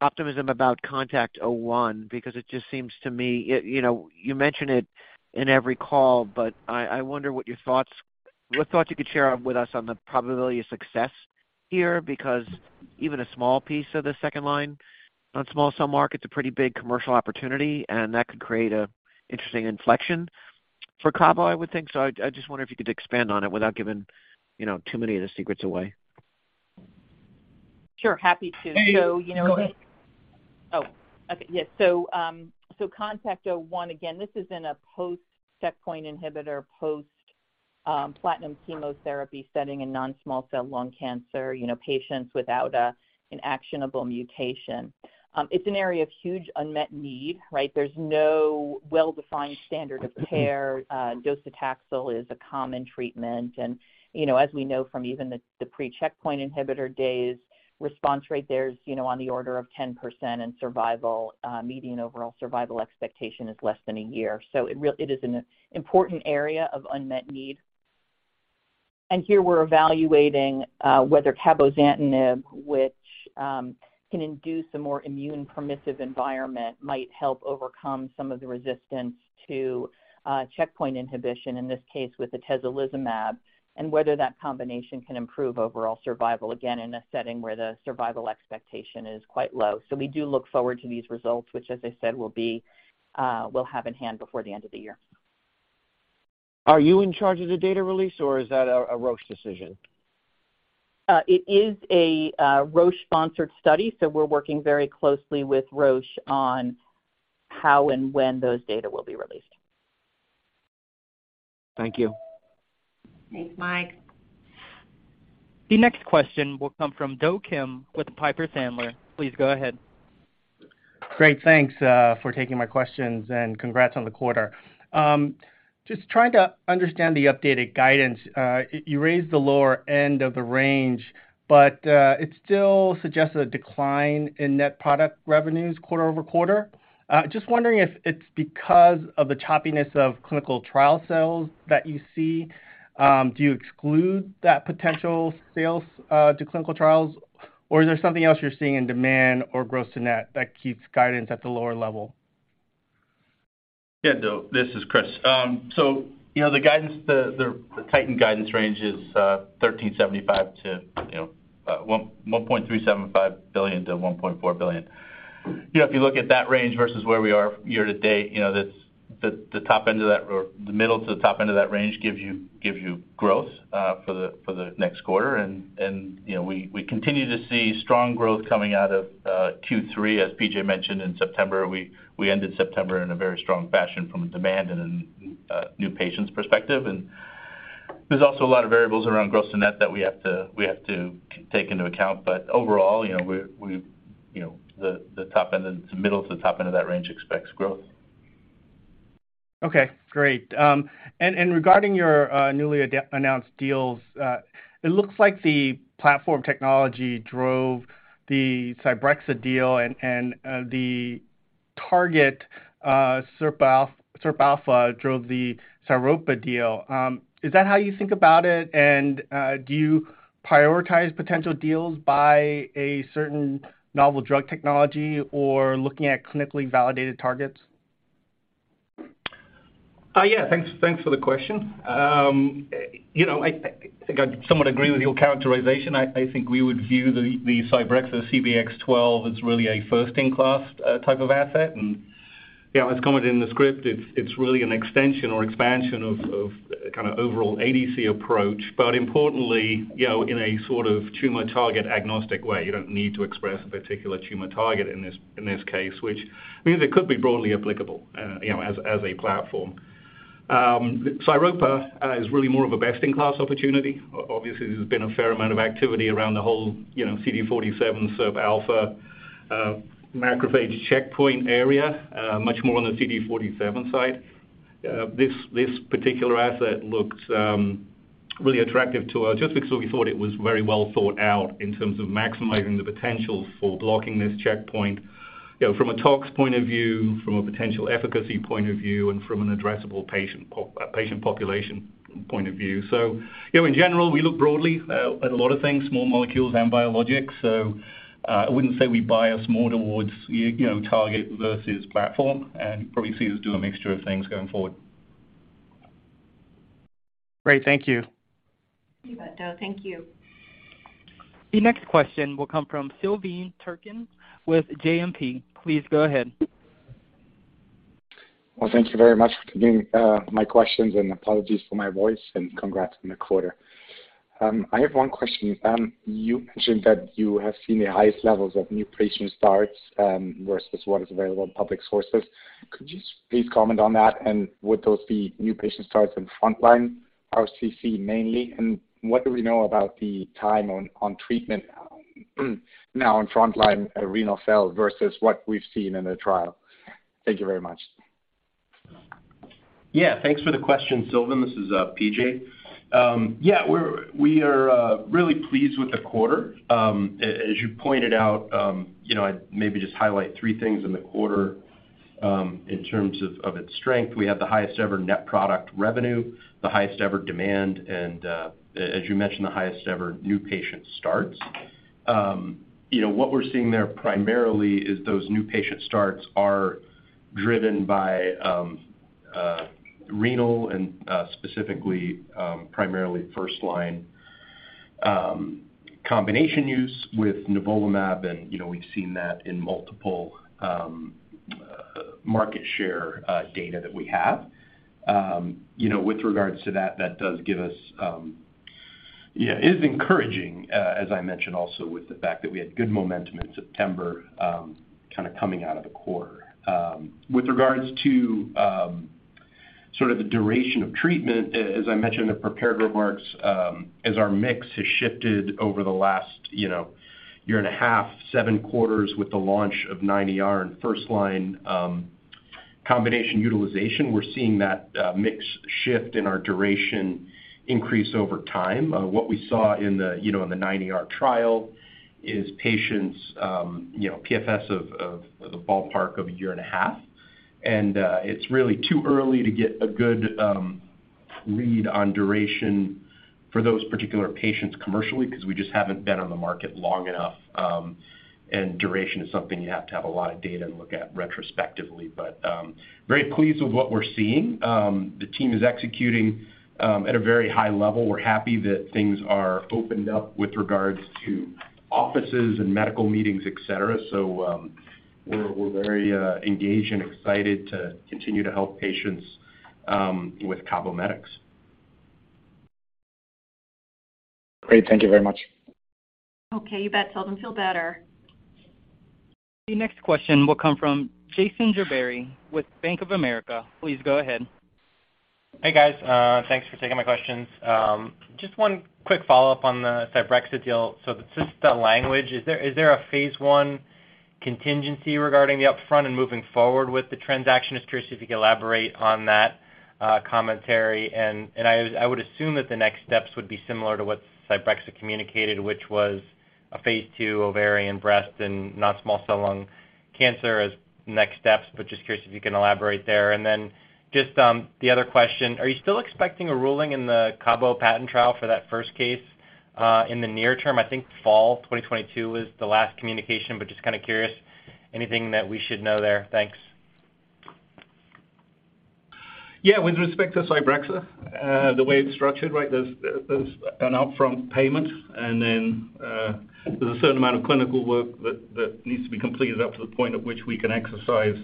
optimism about CONTACT-01, because it just seems to me, you know, you mention it in every call, but I wonder what thoughts you could share with us on the probability of success here. Because even a small piece of the second-line NSCLC market is a pretty big commercial opportunity, and that could create an interesting inflection for Cabo, I would think. I'd just wonder if you could expand on it without giving, you know, too many of the secrets away. Sure. Happy to. Go ahead. Okay. Yeah. CONTACT-01, again, this is in a post-checkpoint inhibitor, post-platinum chemotherapy setting in non-small cell lung cancer, you know, patients without an actionable mutation. It's an area of huge unmet need, right? There's no well-defined standard of care. Docetaxel is a common treatment. You know, as we know from even the pre-checkpoint inhibitor days, response rate there is, you know, on the order of 10%, and survival median overall survival expectation is less than a year. It is an important area of unmet need. Here we're evaluating whether cabozantinib, which can induce a more immune permissive environment, might help overcome some of the resistance to checkpoint inhibition, in this case, with atezolizumab, and whether that combination can improve overall survival, again, in a setting where the survival expectation is quite low. We do look forward to these results, which as I said, we'll have in hand before the end of the year. Are you in charge of the data release, or is that a Roche decision? It is a Roche-sponsored study, so we're working very closely with Roche on how and when those data will be released. Thank you. Thanks, Mike. The next question will come from Do Kim with Piper Sandler. Please go ahead. Great. Thanks for taking my questions, and congrats on the quarter. Just trying to understand the updated guidance. You raised the lower end of the range, but it still suggests a decline in net product revenues quarter over quarter. Just wondering if it's because of the choppiness of clinical trial sales that you see. Do you exclude that potential sales to clinical trials, or is there something else you're seeing in demand or gross to net that keeps guidance at the lower level? Yeah. Do, this is Chris. So you know, the guidance, the tightened guidance range is $1.375 billion-$1.4 billion. You know, if you look at that range versus where we are year to date, you know, that's the top end of that or the middle to the top end of that range gives you growth for the next quarter. You know, we continue to see strong growth coming out of Q3. As P.J. mentioned in September, we ended September in a very strong fashion from a demand and then new patients perspective. There's also a lot of variables around gross to net that we have to take into account. Overall, you know, we've, you know, the top end and the middle to the top end of that range expects growth. Okay, great. Regarding your newly announced deals, it looks like the platform technology drove the Cybrexa deal and the target SIRP alpha drove the Sairopa deal. Is that how you think about it? Do you prioritize potential deals by a certain novel drug technology or looking at clinically validated targets? Yeah. Thanks for the question. You know, I think I somewhat agree with your characterization. I think we would view the Cybrexa CBX-12 as really a first-in-class type of asset. You know, as commented in the script, it's really an extension or expansion of kinda overall ADC approach, but importantly, you know, in a sort of tumor target agnostic way. You don't need to express a particular tumor target in this case, which means it could be broadly applicable, you know, as a platform. Sairopa is really more of a best-in-class opportunity. Obviously, there's been a fair amount of activity around the whole, you know, CD47 SIRP alpha macrophage checkpoint area, much more on the CD47 side. This particular asset looks really attractive to us just because we thought it was very well thought out in terms of maximizing the potential for blocking this checkpoint, you know, from a tox point of view, from a potential efficacy point of view, and from an addressable patient population point of view. You know, in general, we look broadly at a lot of things, small molecules and biologics. I wouldn't say we bias more towards you know, target versus platform, and probably see us do a mixture of things going forward. Great. Thank you. You bet, Do. Thank you. The next question will come from Silvan Tuerkcan with JMP. Please go ahead. Well, thank you very much for taking my questions, and apologies for my voice, and congrats on the quarter. I have one question. You mentioned that you have seen the highest levels of new patient starts versus what is available in public sources. Could you just please comment on that? And would those be new patient starts in frontline RCC mainly? And what do we know about the time on treatment now in frontline renal cell versus what we've seen in the trial? Thank you very much. Yeah. Thanks for the question, Silvan. This is P.J. Yeah, we are really pleased with the quarter. As you pointed out, you know, I'd maybe just highlight three things in the quarter, in terms of its strength. We have the highest ever net product revenue, the highest ever demand, and, as you mentioned, the highest ever new patient starts. You know, what we're seeing there primarily is those new patient starts are driven by renal and, specifically, primarily first line combination use with nivolumab, and, you know, we've seen that in multiple market share data that we have. You know, with regards to that does give us is encouraging, as I mentioned also with the fact that we had good momentum in September, kind of coming out of the quarter. With regards to sort of the duration of treatment, as I mentioned in the prepared remarks, as our mix has shifted over the last, you know, year and a half, seven quarters with the launch of CheckMate 9ER in first line, combination utilization, we're seeing that mix shift and our duration increase over time. What we saw in the, you know, in the CheckMate 9ER trial is patients PFS of the ballpark of a year and a half. It's really too early to get a good read on duration for those particular patients commercially because we just haven't been on the market long enough, and duration is something you have to have a lot of data to look at retrospectively. Very pleased with what we're seeing. The team is executing at a very high level. We're happy that things are opened up with regards to offices and medical meetings, et cetera. We're very engaged and excited to continue to help patients with CABOMETYX. Great. Thank you very much. Okay. You bet, Silvan. Feel better. The next question will come from Jason Gerberry with Bank of America. Please go ahead. Hey, guys. Thanks for taking my questions. Just one quick follow-up on the Cybrexa deal. So just the language, is there a phase I contingency regarding the upfront and moving forward with the transaction? Just curious if you could elaborate on that commentary. I would assume that the next steps would be similar to what Cybrexa communicated, which was a phase II ovarian, breast and non-small cell lung cancer as next steps. But just curious if you can elaborate there. The other question, are you still expecting a ruling in the CABO patent trial for that first case in the near term? I think fall 2022 was the last communication, but just kind of curious. Anything that we should know there? Thanks. Yeah. With respect to Cybrexa, the way it's structured, right, there's an upfront payment, and then there's a certain amount of clinical work that needs to be completed up to the point at which we can exercise.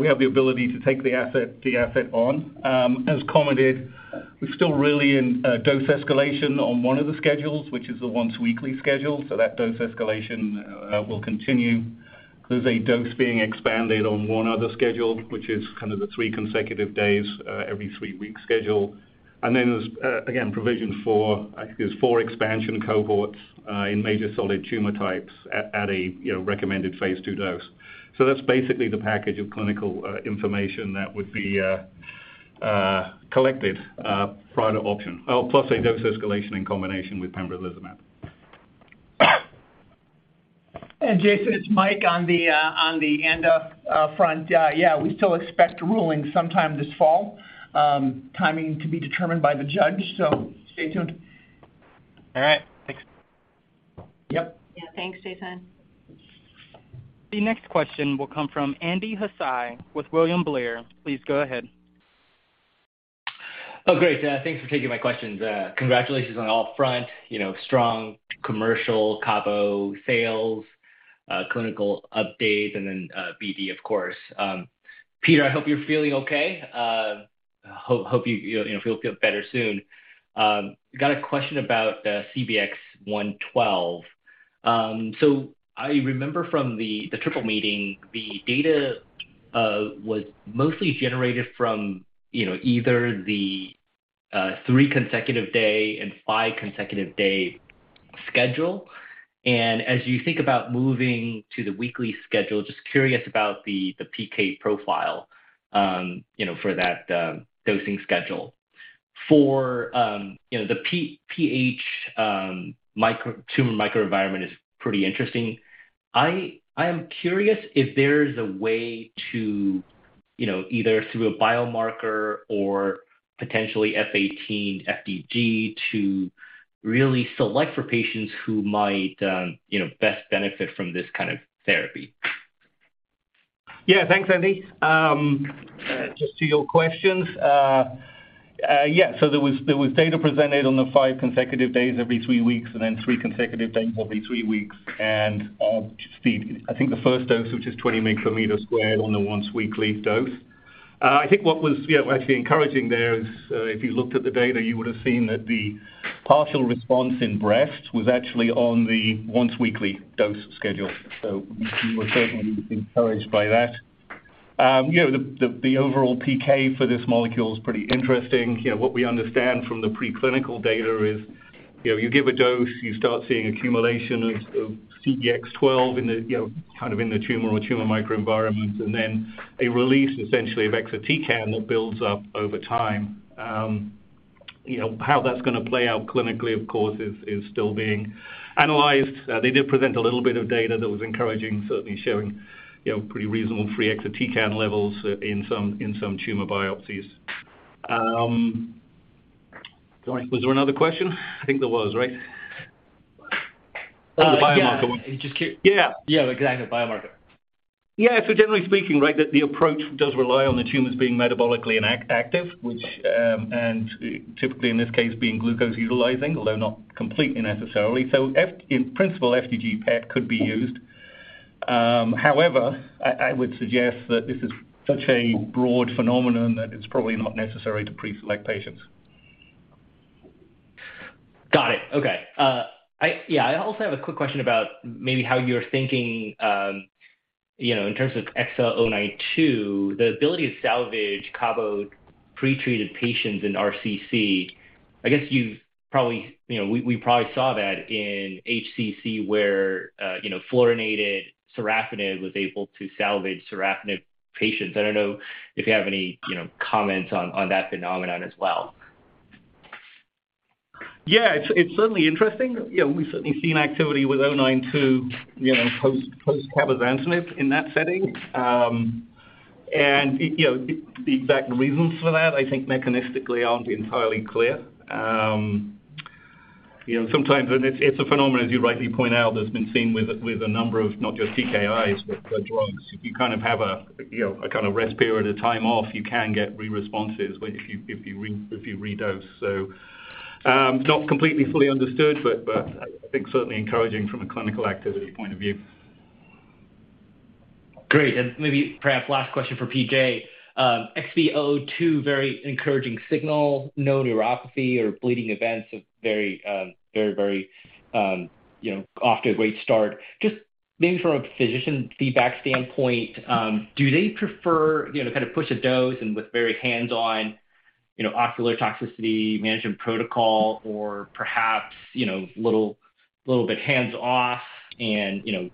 We have the ability to take the asset on. As commented, we're still really in dose escalation on one of the schedules, which is the once weekly schedule. That dose escalation will continue. There's a dose being expanded on one other schedule, which is kind of the three consecutive days every three-week schedule. Then there's again provision for, I think there's four expansion cohorts in major solid tumor types at a, you know, recommended phase II dose. That's basically the package of clinical information that would be collected prior to auction. Oh, plus a dose escalation in combination with pembrolizumab. Jason, it's Mike on the ANDA front. Yeah, we still expect a ruling sometime this fall. Timing to be determined by the judge, so stay tuned. All right. Thanks. Yep. Yeah. Thanks, Jason. The next question will come from Andy Hsieh with William Blair. Please go ahead. Oh, great. Thanks for taking my questions. Congratulations on all fronts, you know, strong commercial CABO sales, clinical updates, and then, BD, of course. Peter, I hope you're feeling okay. Hope you know, feel better soon. Got a question about the CBX-12. So I remember from the triple meeting, the data was mostly generated from, you know, either the three consecutive day and five consecutive day schedule. As you think about moving to the weekly schedule, just curious about the PK profile, you know, for that dosing schedule. For you know the pH tumor microenvironment is pretty interesting. I am curious if there's a way to, you know, either through a biomarker or potentially F-18 FDG to really select for patients who might, you know, best benefit from this kind of therapy. Yeah. Thanks, Andy. Just to your questions. There was data presented on the five consecutive days every three weeks, and then three consecutive days every three weeks. I think the first dose, which is 20 μm² on the once weekly dose. I think what was, you know, actually encouraging there is, if you looked at the data, you would have seen that the partial response in breast was actually on the once weekly dose schedule. We were certainly encouraged by that. You know, the overall PK for this molecule is pretty interesting. You know, what we understand from the preclinical data is, you know, you give a dose, you start seeing accumulation of CBX-12 in the, you know, kind of in the tumor or tumor microenvironment, and then a release essentially of exatecan that builds up over time. You know, how that's gonna play out clinically, of course, is still being analyzed. They did present a little bit of data that was encouraging, certainly showing, you know, pretty reasonable free exatecan levels in some tumor biopsies. Sorry, was there another question? I think there was, right? Yeah. Oh, the biomarker one. Just keep- Yeah. Yeah, exactly. Biomarker. Yeah. Generally speaking, right, the approach does rely on the tumors being metabolically active, which and typically in this case, being glucose utilizing, although not completely necessarily. In principle, FDG-PET could be used. However, I would suggest that this is such a broad phenomenon that it's probably not necessary to pre-select patients. Got it. Okay. Yeah, I also have a quick question about maybe how you're thinking, you know, in terms of XL092, the ability to salvage Cabo-pretreated patients in RCC. I guess you've probably, you know, we probably saw that in HCC where, you know, regorafenib was able to salvage sorafenib patients. I don't know if you have any, you know, comments on that phenomenon as well. Yeah. It's certainly interesting. You know, we've certainly seen activity with XL092, you know, post cabozantinib in that setting. You know, the exact reasons for that, I think mechanistically aren't entirely clear. You know, sometimes. It's a phenomenon, as you rightly point out, that's been seen with a number of not just TKIs, but drugs. You kind of have a, you know, a kind of rest period of time off, you can get responses when you redose. Not completely understood, but I think certainly encouraging from a clinical activity point of view. Great. Maybe perhaps last question for P.J. XB002, very encouraging signal. No neuropathy or bleeding events. Very you know off to a great start. Just maybe from a physician feedback standpoint, do they prefer, you know, to kind of push a dose and with very hands-on, you know, ocular toxicity management protocol or perhaps, you know, little bit hands-off and, you know,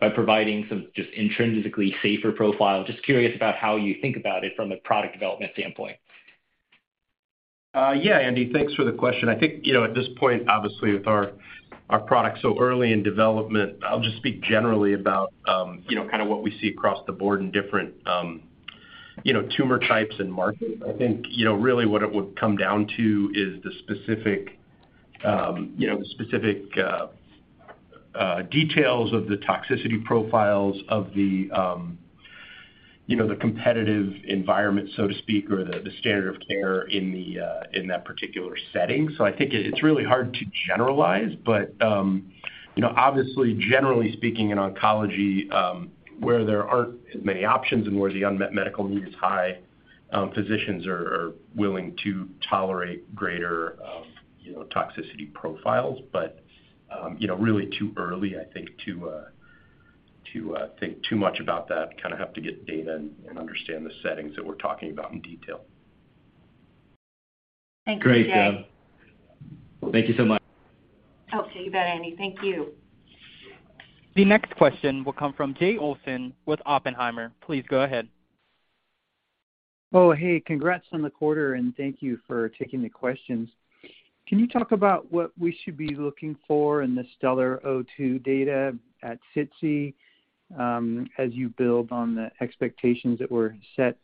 by providing some just intrinsically safer profile? Just curious about how you think about it from a product development standpoint. Yeah, Andy. Thanks for the question. I think, you know, at this point, obviously with our product so early in development, I'll just speak generally about, you know, kind of what we see across the board in different, you know, tumor types and markets. I think, you know, really what it would come down to is the specific details of the toxicity profiles of the competitive environment, so to speak, or the standard of care in that particular setting. I think it's really hard to generalize. You know, obviously generally speaking in oncology, where there aren't as many options and where the unmet medical need is high, physicians are willing to tolerate greater toxicity profiles. You know, really too early, I think, to think too much about that. Kind of have to get data and understand the settings that we're talking about in detail. Thank you, P.J. Great. Thank you so much. Oh, you bet, Andy. Thank you. The next question will come from Jay Olson with Oppenheimer. Please go ahead. Oh, hey. Congrats on the quarter, and thank you for taking the questions. Can you talk about what we should be looking for in the STELLAR-002 data at SITC, as you build on the expectations that were set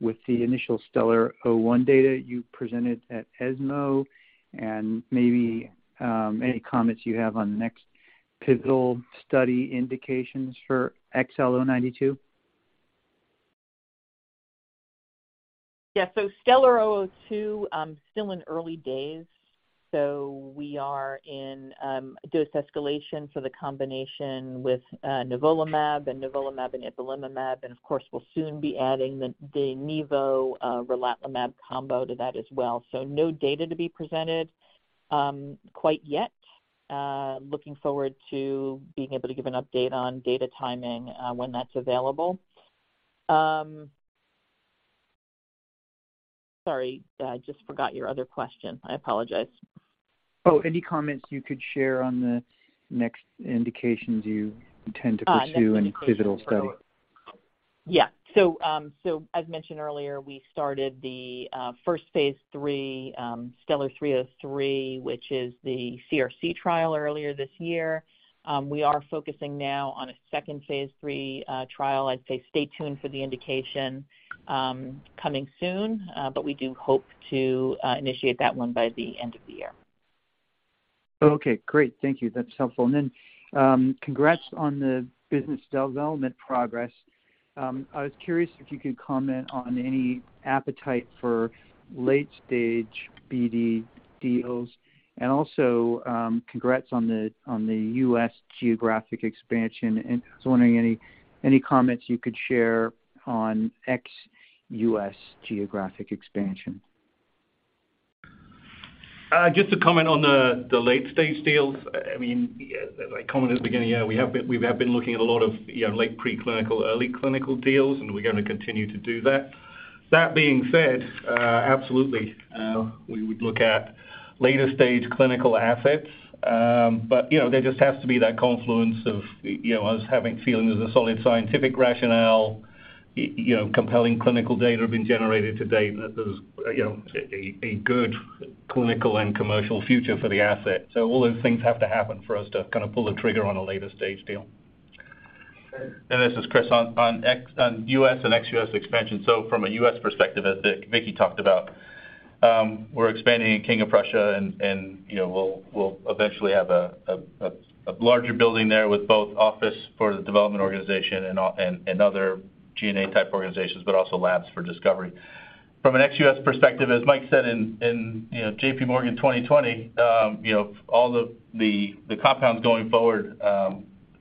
with the initial STELLAR-001 data you presented at ESMO? Maybe, any comments you have on the next pivotal study indications for XL092. Yeah. STELLAR-002 still in early days. We are in dose escalation for the combination with nivolumab and ipilimumab, and of course, we'll soon be adding the nivo relatlimab combo to that as well. No data to be presented quite yet. Looking forward to being able to give an update on data timing when that's available. Sorry, I just forgot your other question. I apologize. Oh, any comments you could share on the next indications you intend to pursue in a pivotal study? Next indication. As mentioned earlier, we started the first phase III STELLAR-303, which is the CRC trial earlier this year. We are focusing now on a second phase III trial. I'd say stay tuned for the indication coming soon. We do hope to initiate that one by the end of the year. Okay, great. Thank you. That's helpful. Then, congrats on the business development progress. I was curious if you could comment on any appetite for late-stage BD deals, and also, congrats on the U.S. geographic expansion. I was wondering any comments you could share on ex-U.S. geographic expansion. Just to comment on the late-stage deals. I mean, as I commented at the beginning, yeah, we have been looking at a lot of, you know, late pre-clinical, early clinical deals, and we're gonna continue to do that. That being said, absolutely, we would look at later stage clinical assets. You know, there just has to be that confluence of, you know, us having feeling there's a solid scientific rationale, you know, compelling clinical data being generated to date, that there's, you know, a good clinical and commercial future for the asset. All those things have to happen for us to kind of pull the trigger on a later stage deal. This is Chris. On U.S. and ex-U.S. expansion, from a U.S. perspective, as Vicki talked about, we're expanding in King of Prussia and, you know, we'll eventually have a larger building there with both office for the development organization and other G&A type organizations, but also labs for discovery. From an ex-US perspective, as Mike said in, you know, J.P. Morgan 2020, you know, all the compounds going forward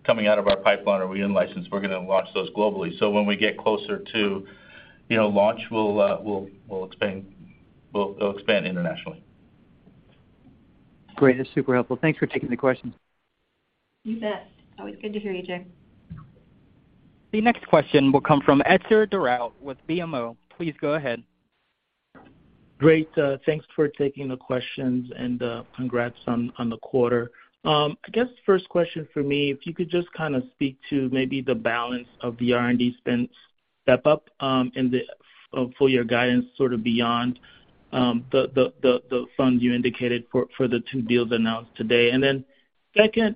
coming out of our pipeline that we in-licensed, we're gonna launch those globally. When we get closer to, you know, launch, we'll expand internationally. Great. That's super helpful. Thanks for taking the questions. You bet. Always good to hear you, Jay. The next question will come from Etzer Darout with BMO. Please go ahead. Great. Thanks for taking the questions and, congrats on the quarter. I guess first question for me, if you could just kinda speak to maybe the balance of the R&D spend step up, in the full year guidance, sort of beyond, the funds you indicated for the two deals announced today. Then second,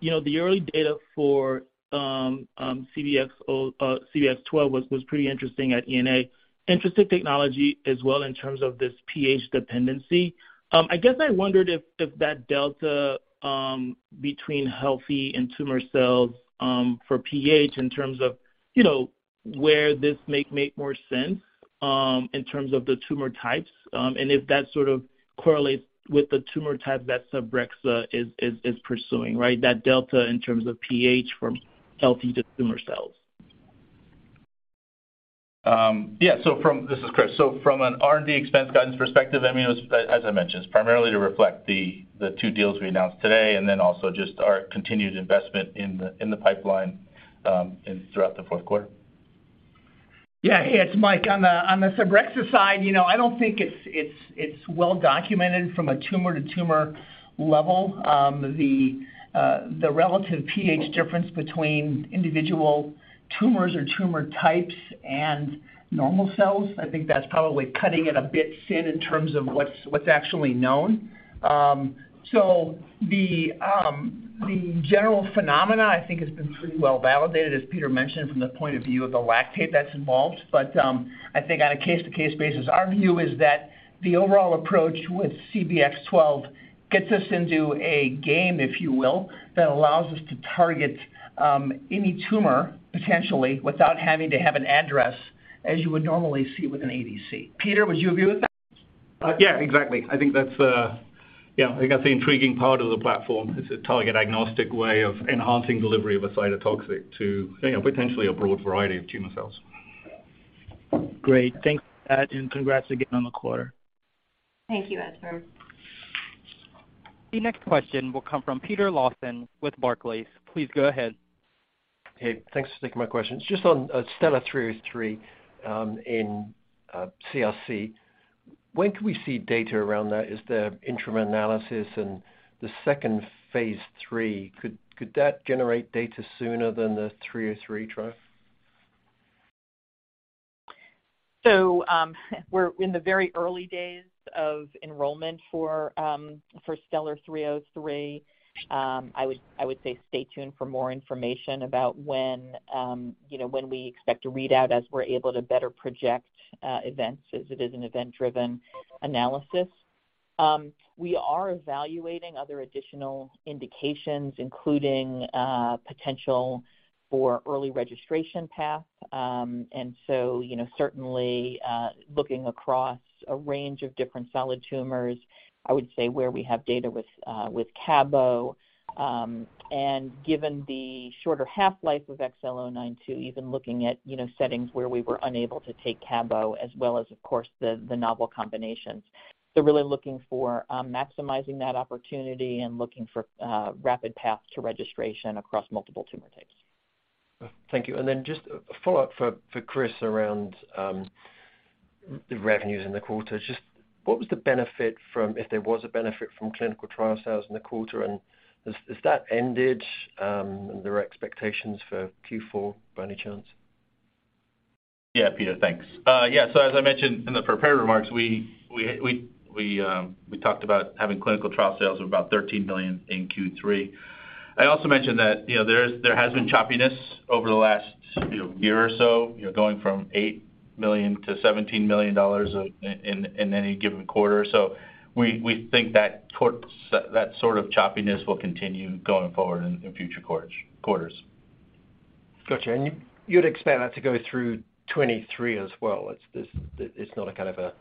you know, the early data for CBX-12 was pretty interesting at ENA. Interesting technology as well in terms of this pH dependency. I guess I wondered if that delta between healthy and tumor cells for pH in terms of, you know, where this may make more sense in terms of the tumor types, and if that sort of correlates with the tumor type that Cybrexa is pursuing, right? That delta in terms of pH from healthy to tumor cells. This is Chris. From an R&D expense guidance perspective, I mean, as I mentioned, it's primarily to reflect the two deals we announced today and then also just our continued investment in the pipeline and throughout the fourth quarter. Yeah. Hey, it's Mike. On the Cybrexa side, you know, I don't think it's well documented from a tumor-to-tumor level. The relative pH difference between individual tumors or tumor types and normal cells, I think that's probably cutting it a bit thin in terms of what's actually known. The general phenomena I think has been pretty well validated, as Peter mentioned, from the point of view of the lactate that's involved. I think on a case-to-case basis, our view is that the overall approach with CBX-12 gets us into a game, if you will, that allows us to target any tumor potentially without having to have an address, as you would normally see with an ADC. Peter, would you agree with that? Yeah, exactly. I think that's, yeah, I think that's the intriguing part of the platform. It's a target agnostic way of enhancing delivery of a cytotoxic to, you know, potentially a broad variety of tumor cells. Great. Thanks for that and congrats again on the quarter. Thank you, Etzer. The next question will come from Peter Lawson with Barclays. Please go ahead. Hey, thanks for taking my questions. Just on STELLAR-303 in CRC, when can we see data around that? Is there interim analysis in the second phase III? Could that generate data sooner than the 303 trial? We're in the very early days of enrollment for STELLAR-303. I would say stay tuned for more information about when, you know, when we expect to read out as we're able to better project events as it is an event-driven analysis. We are evaluating other additional indications, including potential for early registration path. You know, certainly looking across a range of different solid tumors, I would say where we have data with Cabo, and given the shorter half-life of XL092, even looking at, you know, settings where we were unable to take Cabo as well as, of course, the novel combinations. Really looking for maximizing that opportunity and looking for rapid paths to registration across multiple tumor types. Thank you. Just a follow-up for Chris around the revenues in the quarter. Just what was the benefit from, if there was a benefit from clinical trial sales in the quarter, and has that ended, and there are expectations for Q4 by any chance? Yeah, Peter. Thanks. Yeah. As I mentioned in the prepared remarks, we talked about having clinical trial sales of about $13 million in Q3. I also mentioned that, you know, there has been choppiness over the last, you know, year or so, you know, going from $8 million-$17 million in any given quarter. We think that that sort of choppiness will continue going forward in future quarters. Got you. You'd expect that to go through 2023 as well. It's just. It's not a kind of a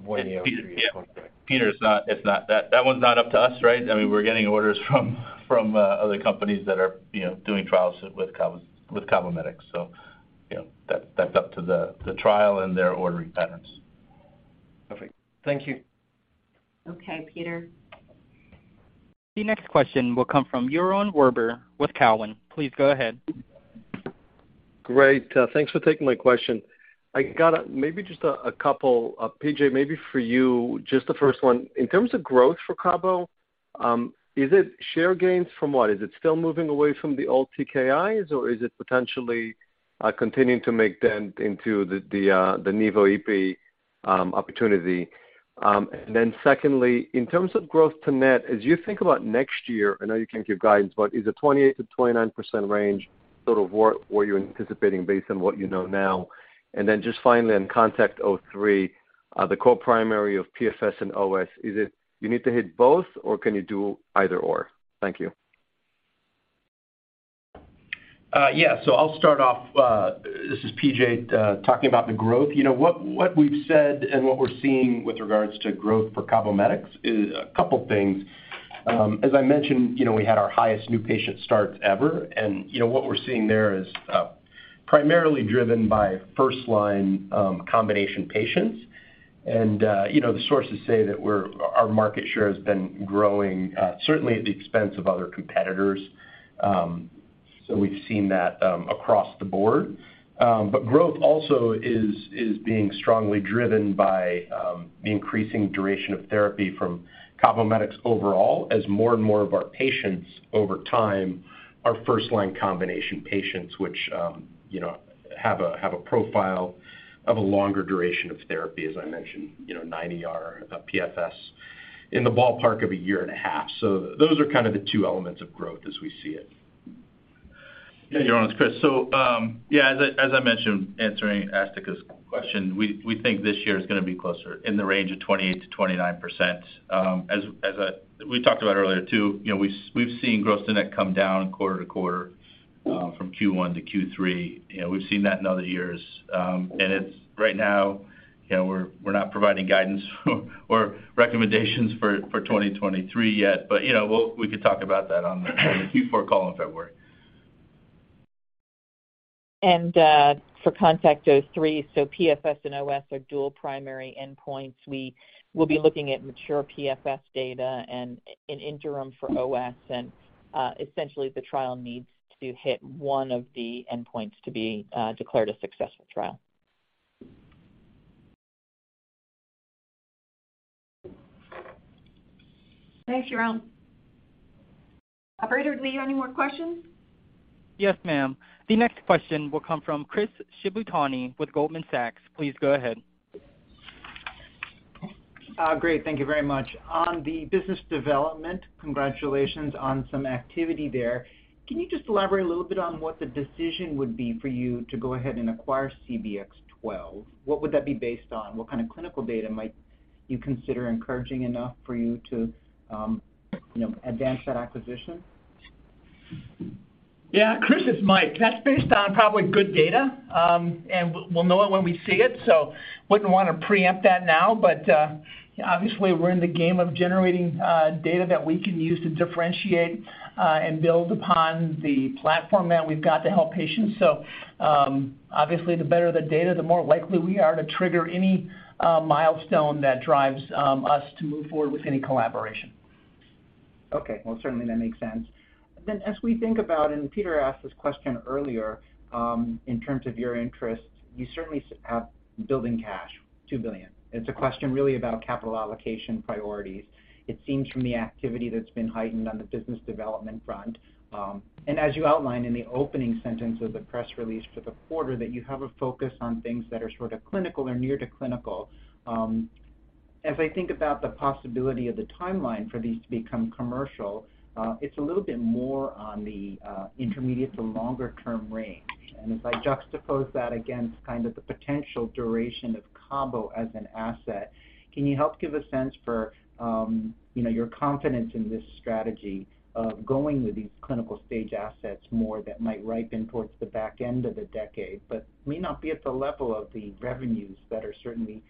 one-year Yeah. Peter, it's not that. That one's not up to us, right? I mean, we're getting orders from other companies that are, you know, doing trials with Cabo, with CABOMETYX. You know, that's up to the trial and their ordering patterns. Perfect. Thank you. Okay, Peter. The next question will come from Yaron Werber with Cowen. Please go ahead. Great. Thanks for taking my question. I got a couple. P.J., maybe for you, just the first one. In terms of growth for CABO, is it share gains from what? Is it still moving away from the old TKIs, or is it potentially continuing to make dent into the nivo/ipi opportunity? And then secondly, in terms of growth to net, as you think about next year, I know you can't give guidance, but is a 28%-29% range sort of where you're anticipating based on what you know now? And then just finally, in CONTACT-03, the core primary of PFS and OS, is it you need to hit both, or can you do either/or? Thank you. Yeah. I'll start off. This is P.J. talking about the growth. You know what we've said and what we're seeing with regards to growth for CABOMETYX is a couple things. As I mentioned, you know, we had our highest new patient starts ever, and, you know, what we're seeing there is primarily driven by first-line combination patients. You know, the sources say that our market share has been growing certainly at the expense of other competitors. We've seen that across the board. Growth also is being strongly driven by the increasing duration of therapy from CABOMETYX overall, as more and more of our patients over time are first-line combination patients, which you know have a profile of a longer duration of therapy, as I mentioned, you know CheckMate -9ER PFS in the ballpark of a year and a half. Those are kind of the two elements of growth as we see it. Yeah, Yaron, it's Chris. As I mentioned answering Asthika's question, we think this year is gonna be closer in the range of 28%-29%. As we talked about earlier too, you know, we've seen gross to net come down quarter-over-quarter from Q1 to Q3. You know, we've seen that in other years. It's right now, you know, we're not providing guidance or recommendations for 2023 yet, but you know, we could talk about that on the Q4 call in February. For CONTACT-03, PFS and OS are dual primary endpoints. We will be looking at mature PFS data and an interim for OS. Essentially, the trial needs to hit one of the endpoints to be declared a successful trial. Thanks, Yaron. Operator, do we have any more questions? Yes, ma'am. The next question will come from Chris Shibutani with Goldman Sachs. Please go ahead. Great. Thank you very much. On the business development, congratulations on some activity there. Can you just elaborate a little bit on what the decision would be for you to go ahead and acquire CBX-12? What would that be based on? What kind of clinical data might you consider encouraging enough for you to, you know, advance that acquisition? Yeah. Chris, it's Mike. That's based on probably good data, and we'll know it when we see it, so wouldn't wanna preempt that now. Obviously, we're in the game of generating data that we can use to differentiate and build upon the platform that we've got to help patients. Obviously, the better the data, the more likely we are to trigger any milestone that drives us to move forward with any collaboration. Okay. Well, certainly that makes sense. As we think about, and Peter asked this question earlier, in terms of your interest, you certainly have bulging cash, $2 billion. It's a question really about capital allocation priorities. It seems from the activity that's been heightened on the business development front, and as you outlined in the opening sentence of the press release for the quarter, that you have a focus on things that are sort of clinical or near to clinical. As I think about the possibility of the timeline for these to become commercial, it's a little bit more on the intermediate to longer term range. If I juxtapose that against kind of the potential duration of CABO as an asset, can you help give a sense for, you know, your confidence in this strategy of going with these clinical stage assets more that might ripen towards the back end of the decade, but may not be at the level of the revenues that are certainly,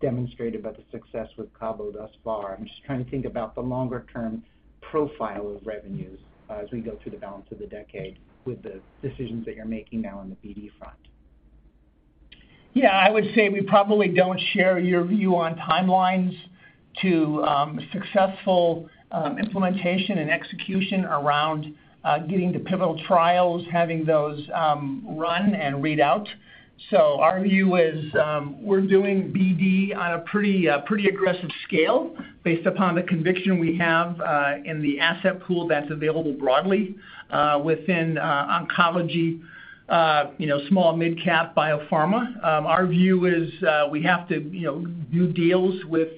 demonstrated by the success with CABO thus far? I'm just trying to think about the longer term profile of revenues as we go through the balance of the decade with the decisions that you're making now on the BD front. Yeah. I would say we probably don't share your view on timelines to successful implementation and execution around getting to pivotal trials, having those run and read out. Our view is, we're doing BD on a pretty aggressive scale based upon the conviction we have in the asset pool that's available broadly within oncology, you know, small mid-cap biopharma. Our view is, we have to, you know, do deals with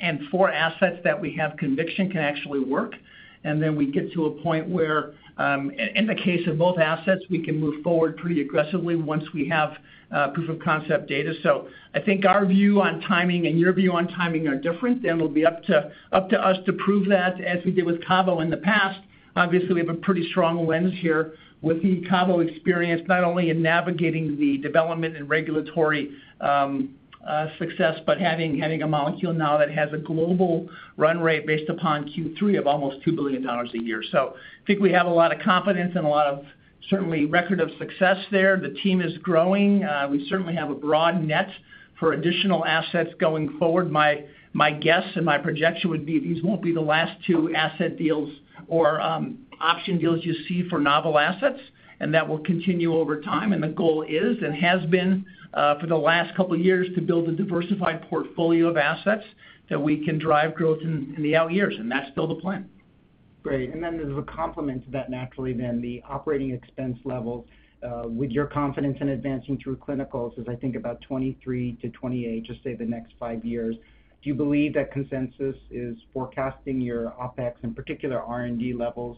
and for assets that we have conviction can actually work. Then we get to a point where, in the case of both assets, we can move forward pretty aggressively once we have proof-of-concept data. I think our view on timing and your view on timing are different, and it'll be up to us to prove that, as we did with cabozantinib in the past. Obviously, we have a pretty strong lens here with the cabo experience, not only in navigating the development and regulatory success, but having a molecule now that has a global run rate based upon Q3 of almost $2 billion a year. I think we have a lot of confidence and a lot of certain record of success there. The team is growing. We certainly have a broad net for additional assets going forward. My guess and my projection would be these won't be the last two asset deals or option deals you see for novel assets, and that will continue over time. The goal is and has been, for the last couple years, to build a diversified portfolio of assets that we can drive growth in the out years, and that's still the plan. Great. As a complement to that naturally then, the operating expense level with your confidence in advancing through clinicals is I think about 2023-2028, just say the next five years. Do you believe that consensus is forecasting your OpEx and particular R&D levels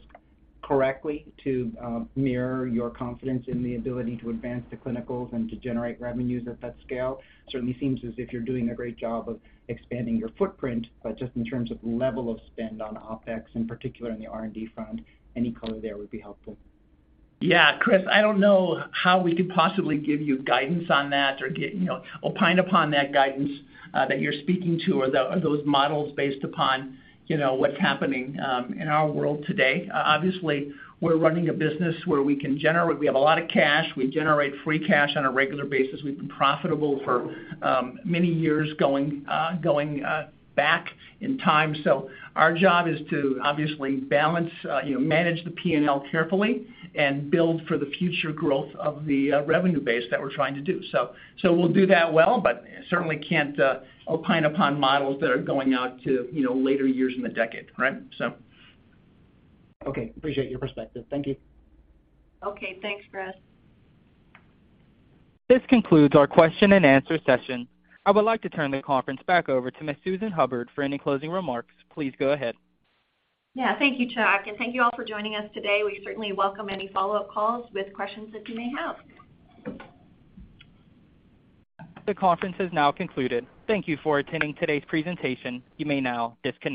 correctly to mirror your confidence in the ability to advance the clinicals and to generate revenues at that scale? Certainly seems as if you're doing a great job of expanding your footprint, but just in terms of level of spend on OpEx, in particular in the R&D front, any color there would be helpful. Yeah, Chris, I don't know how we could possibly give you guidance on that or you know, opine upon that guidance that you're speaking to or those models based upon, you know, what's happening in our world today. Obviously, we're running a business where we can generate. We have a lot of cash. We generate free cash on a regular basis. We've been profitable for many years going back in time. Our job is to obviously balance, you know, manage the P&L carefully and build for the future growth of the revenue base that we're trying to do. We'll do that well, but certainly can't opine upon models that are going out to, you know, later years in the decade, right? Okay. Appreciate your perspective. Thank you. Okay. Thanks, Chris. This concludes our question-and-answer session. I would like to turn the conference back over to Ms. Susan Hubbard for any closing remarks. Please go ahead. Yeah. Thank you, Chuck, and thank you all for joining us today. We certainly welcome any follow-up calls with questions that you may have. The conference has now concluded. Thank you for attending today's presentation. You may now disconnect.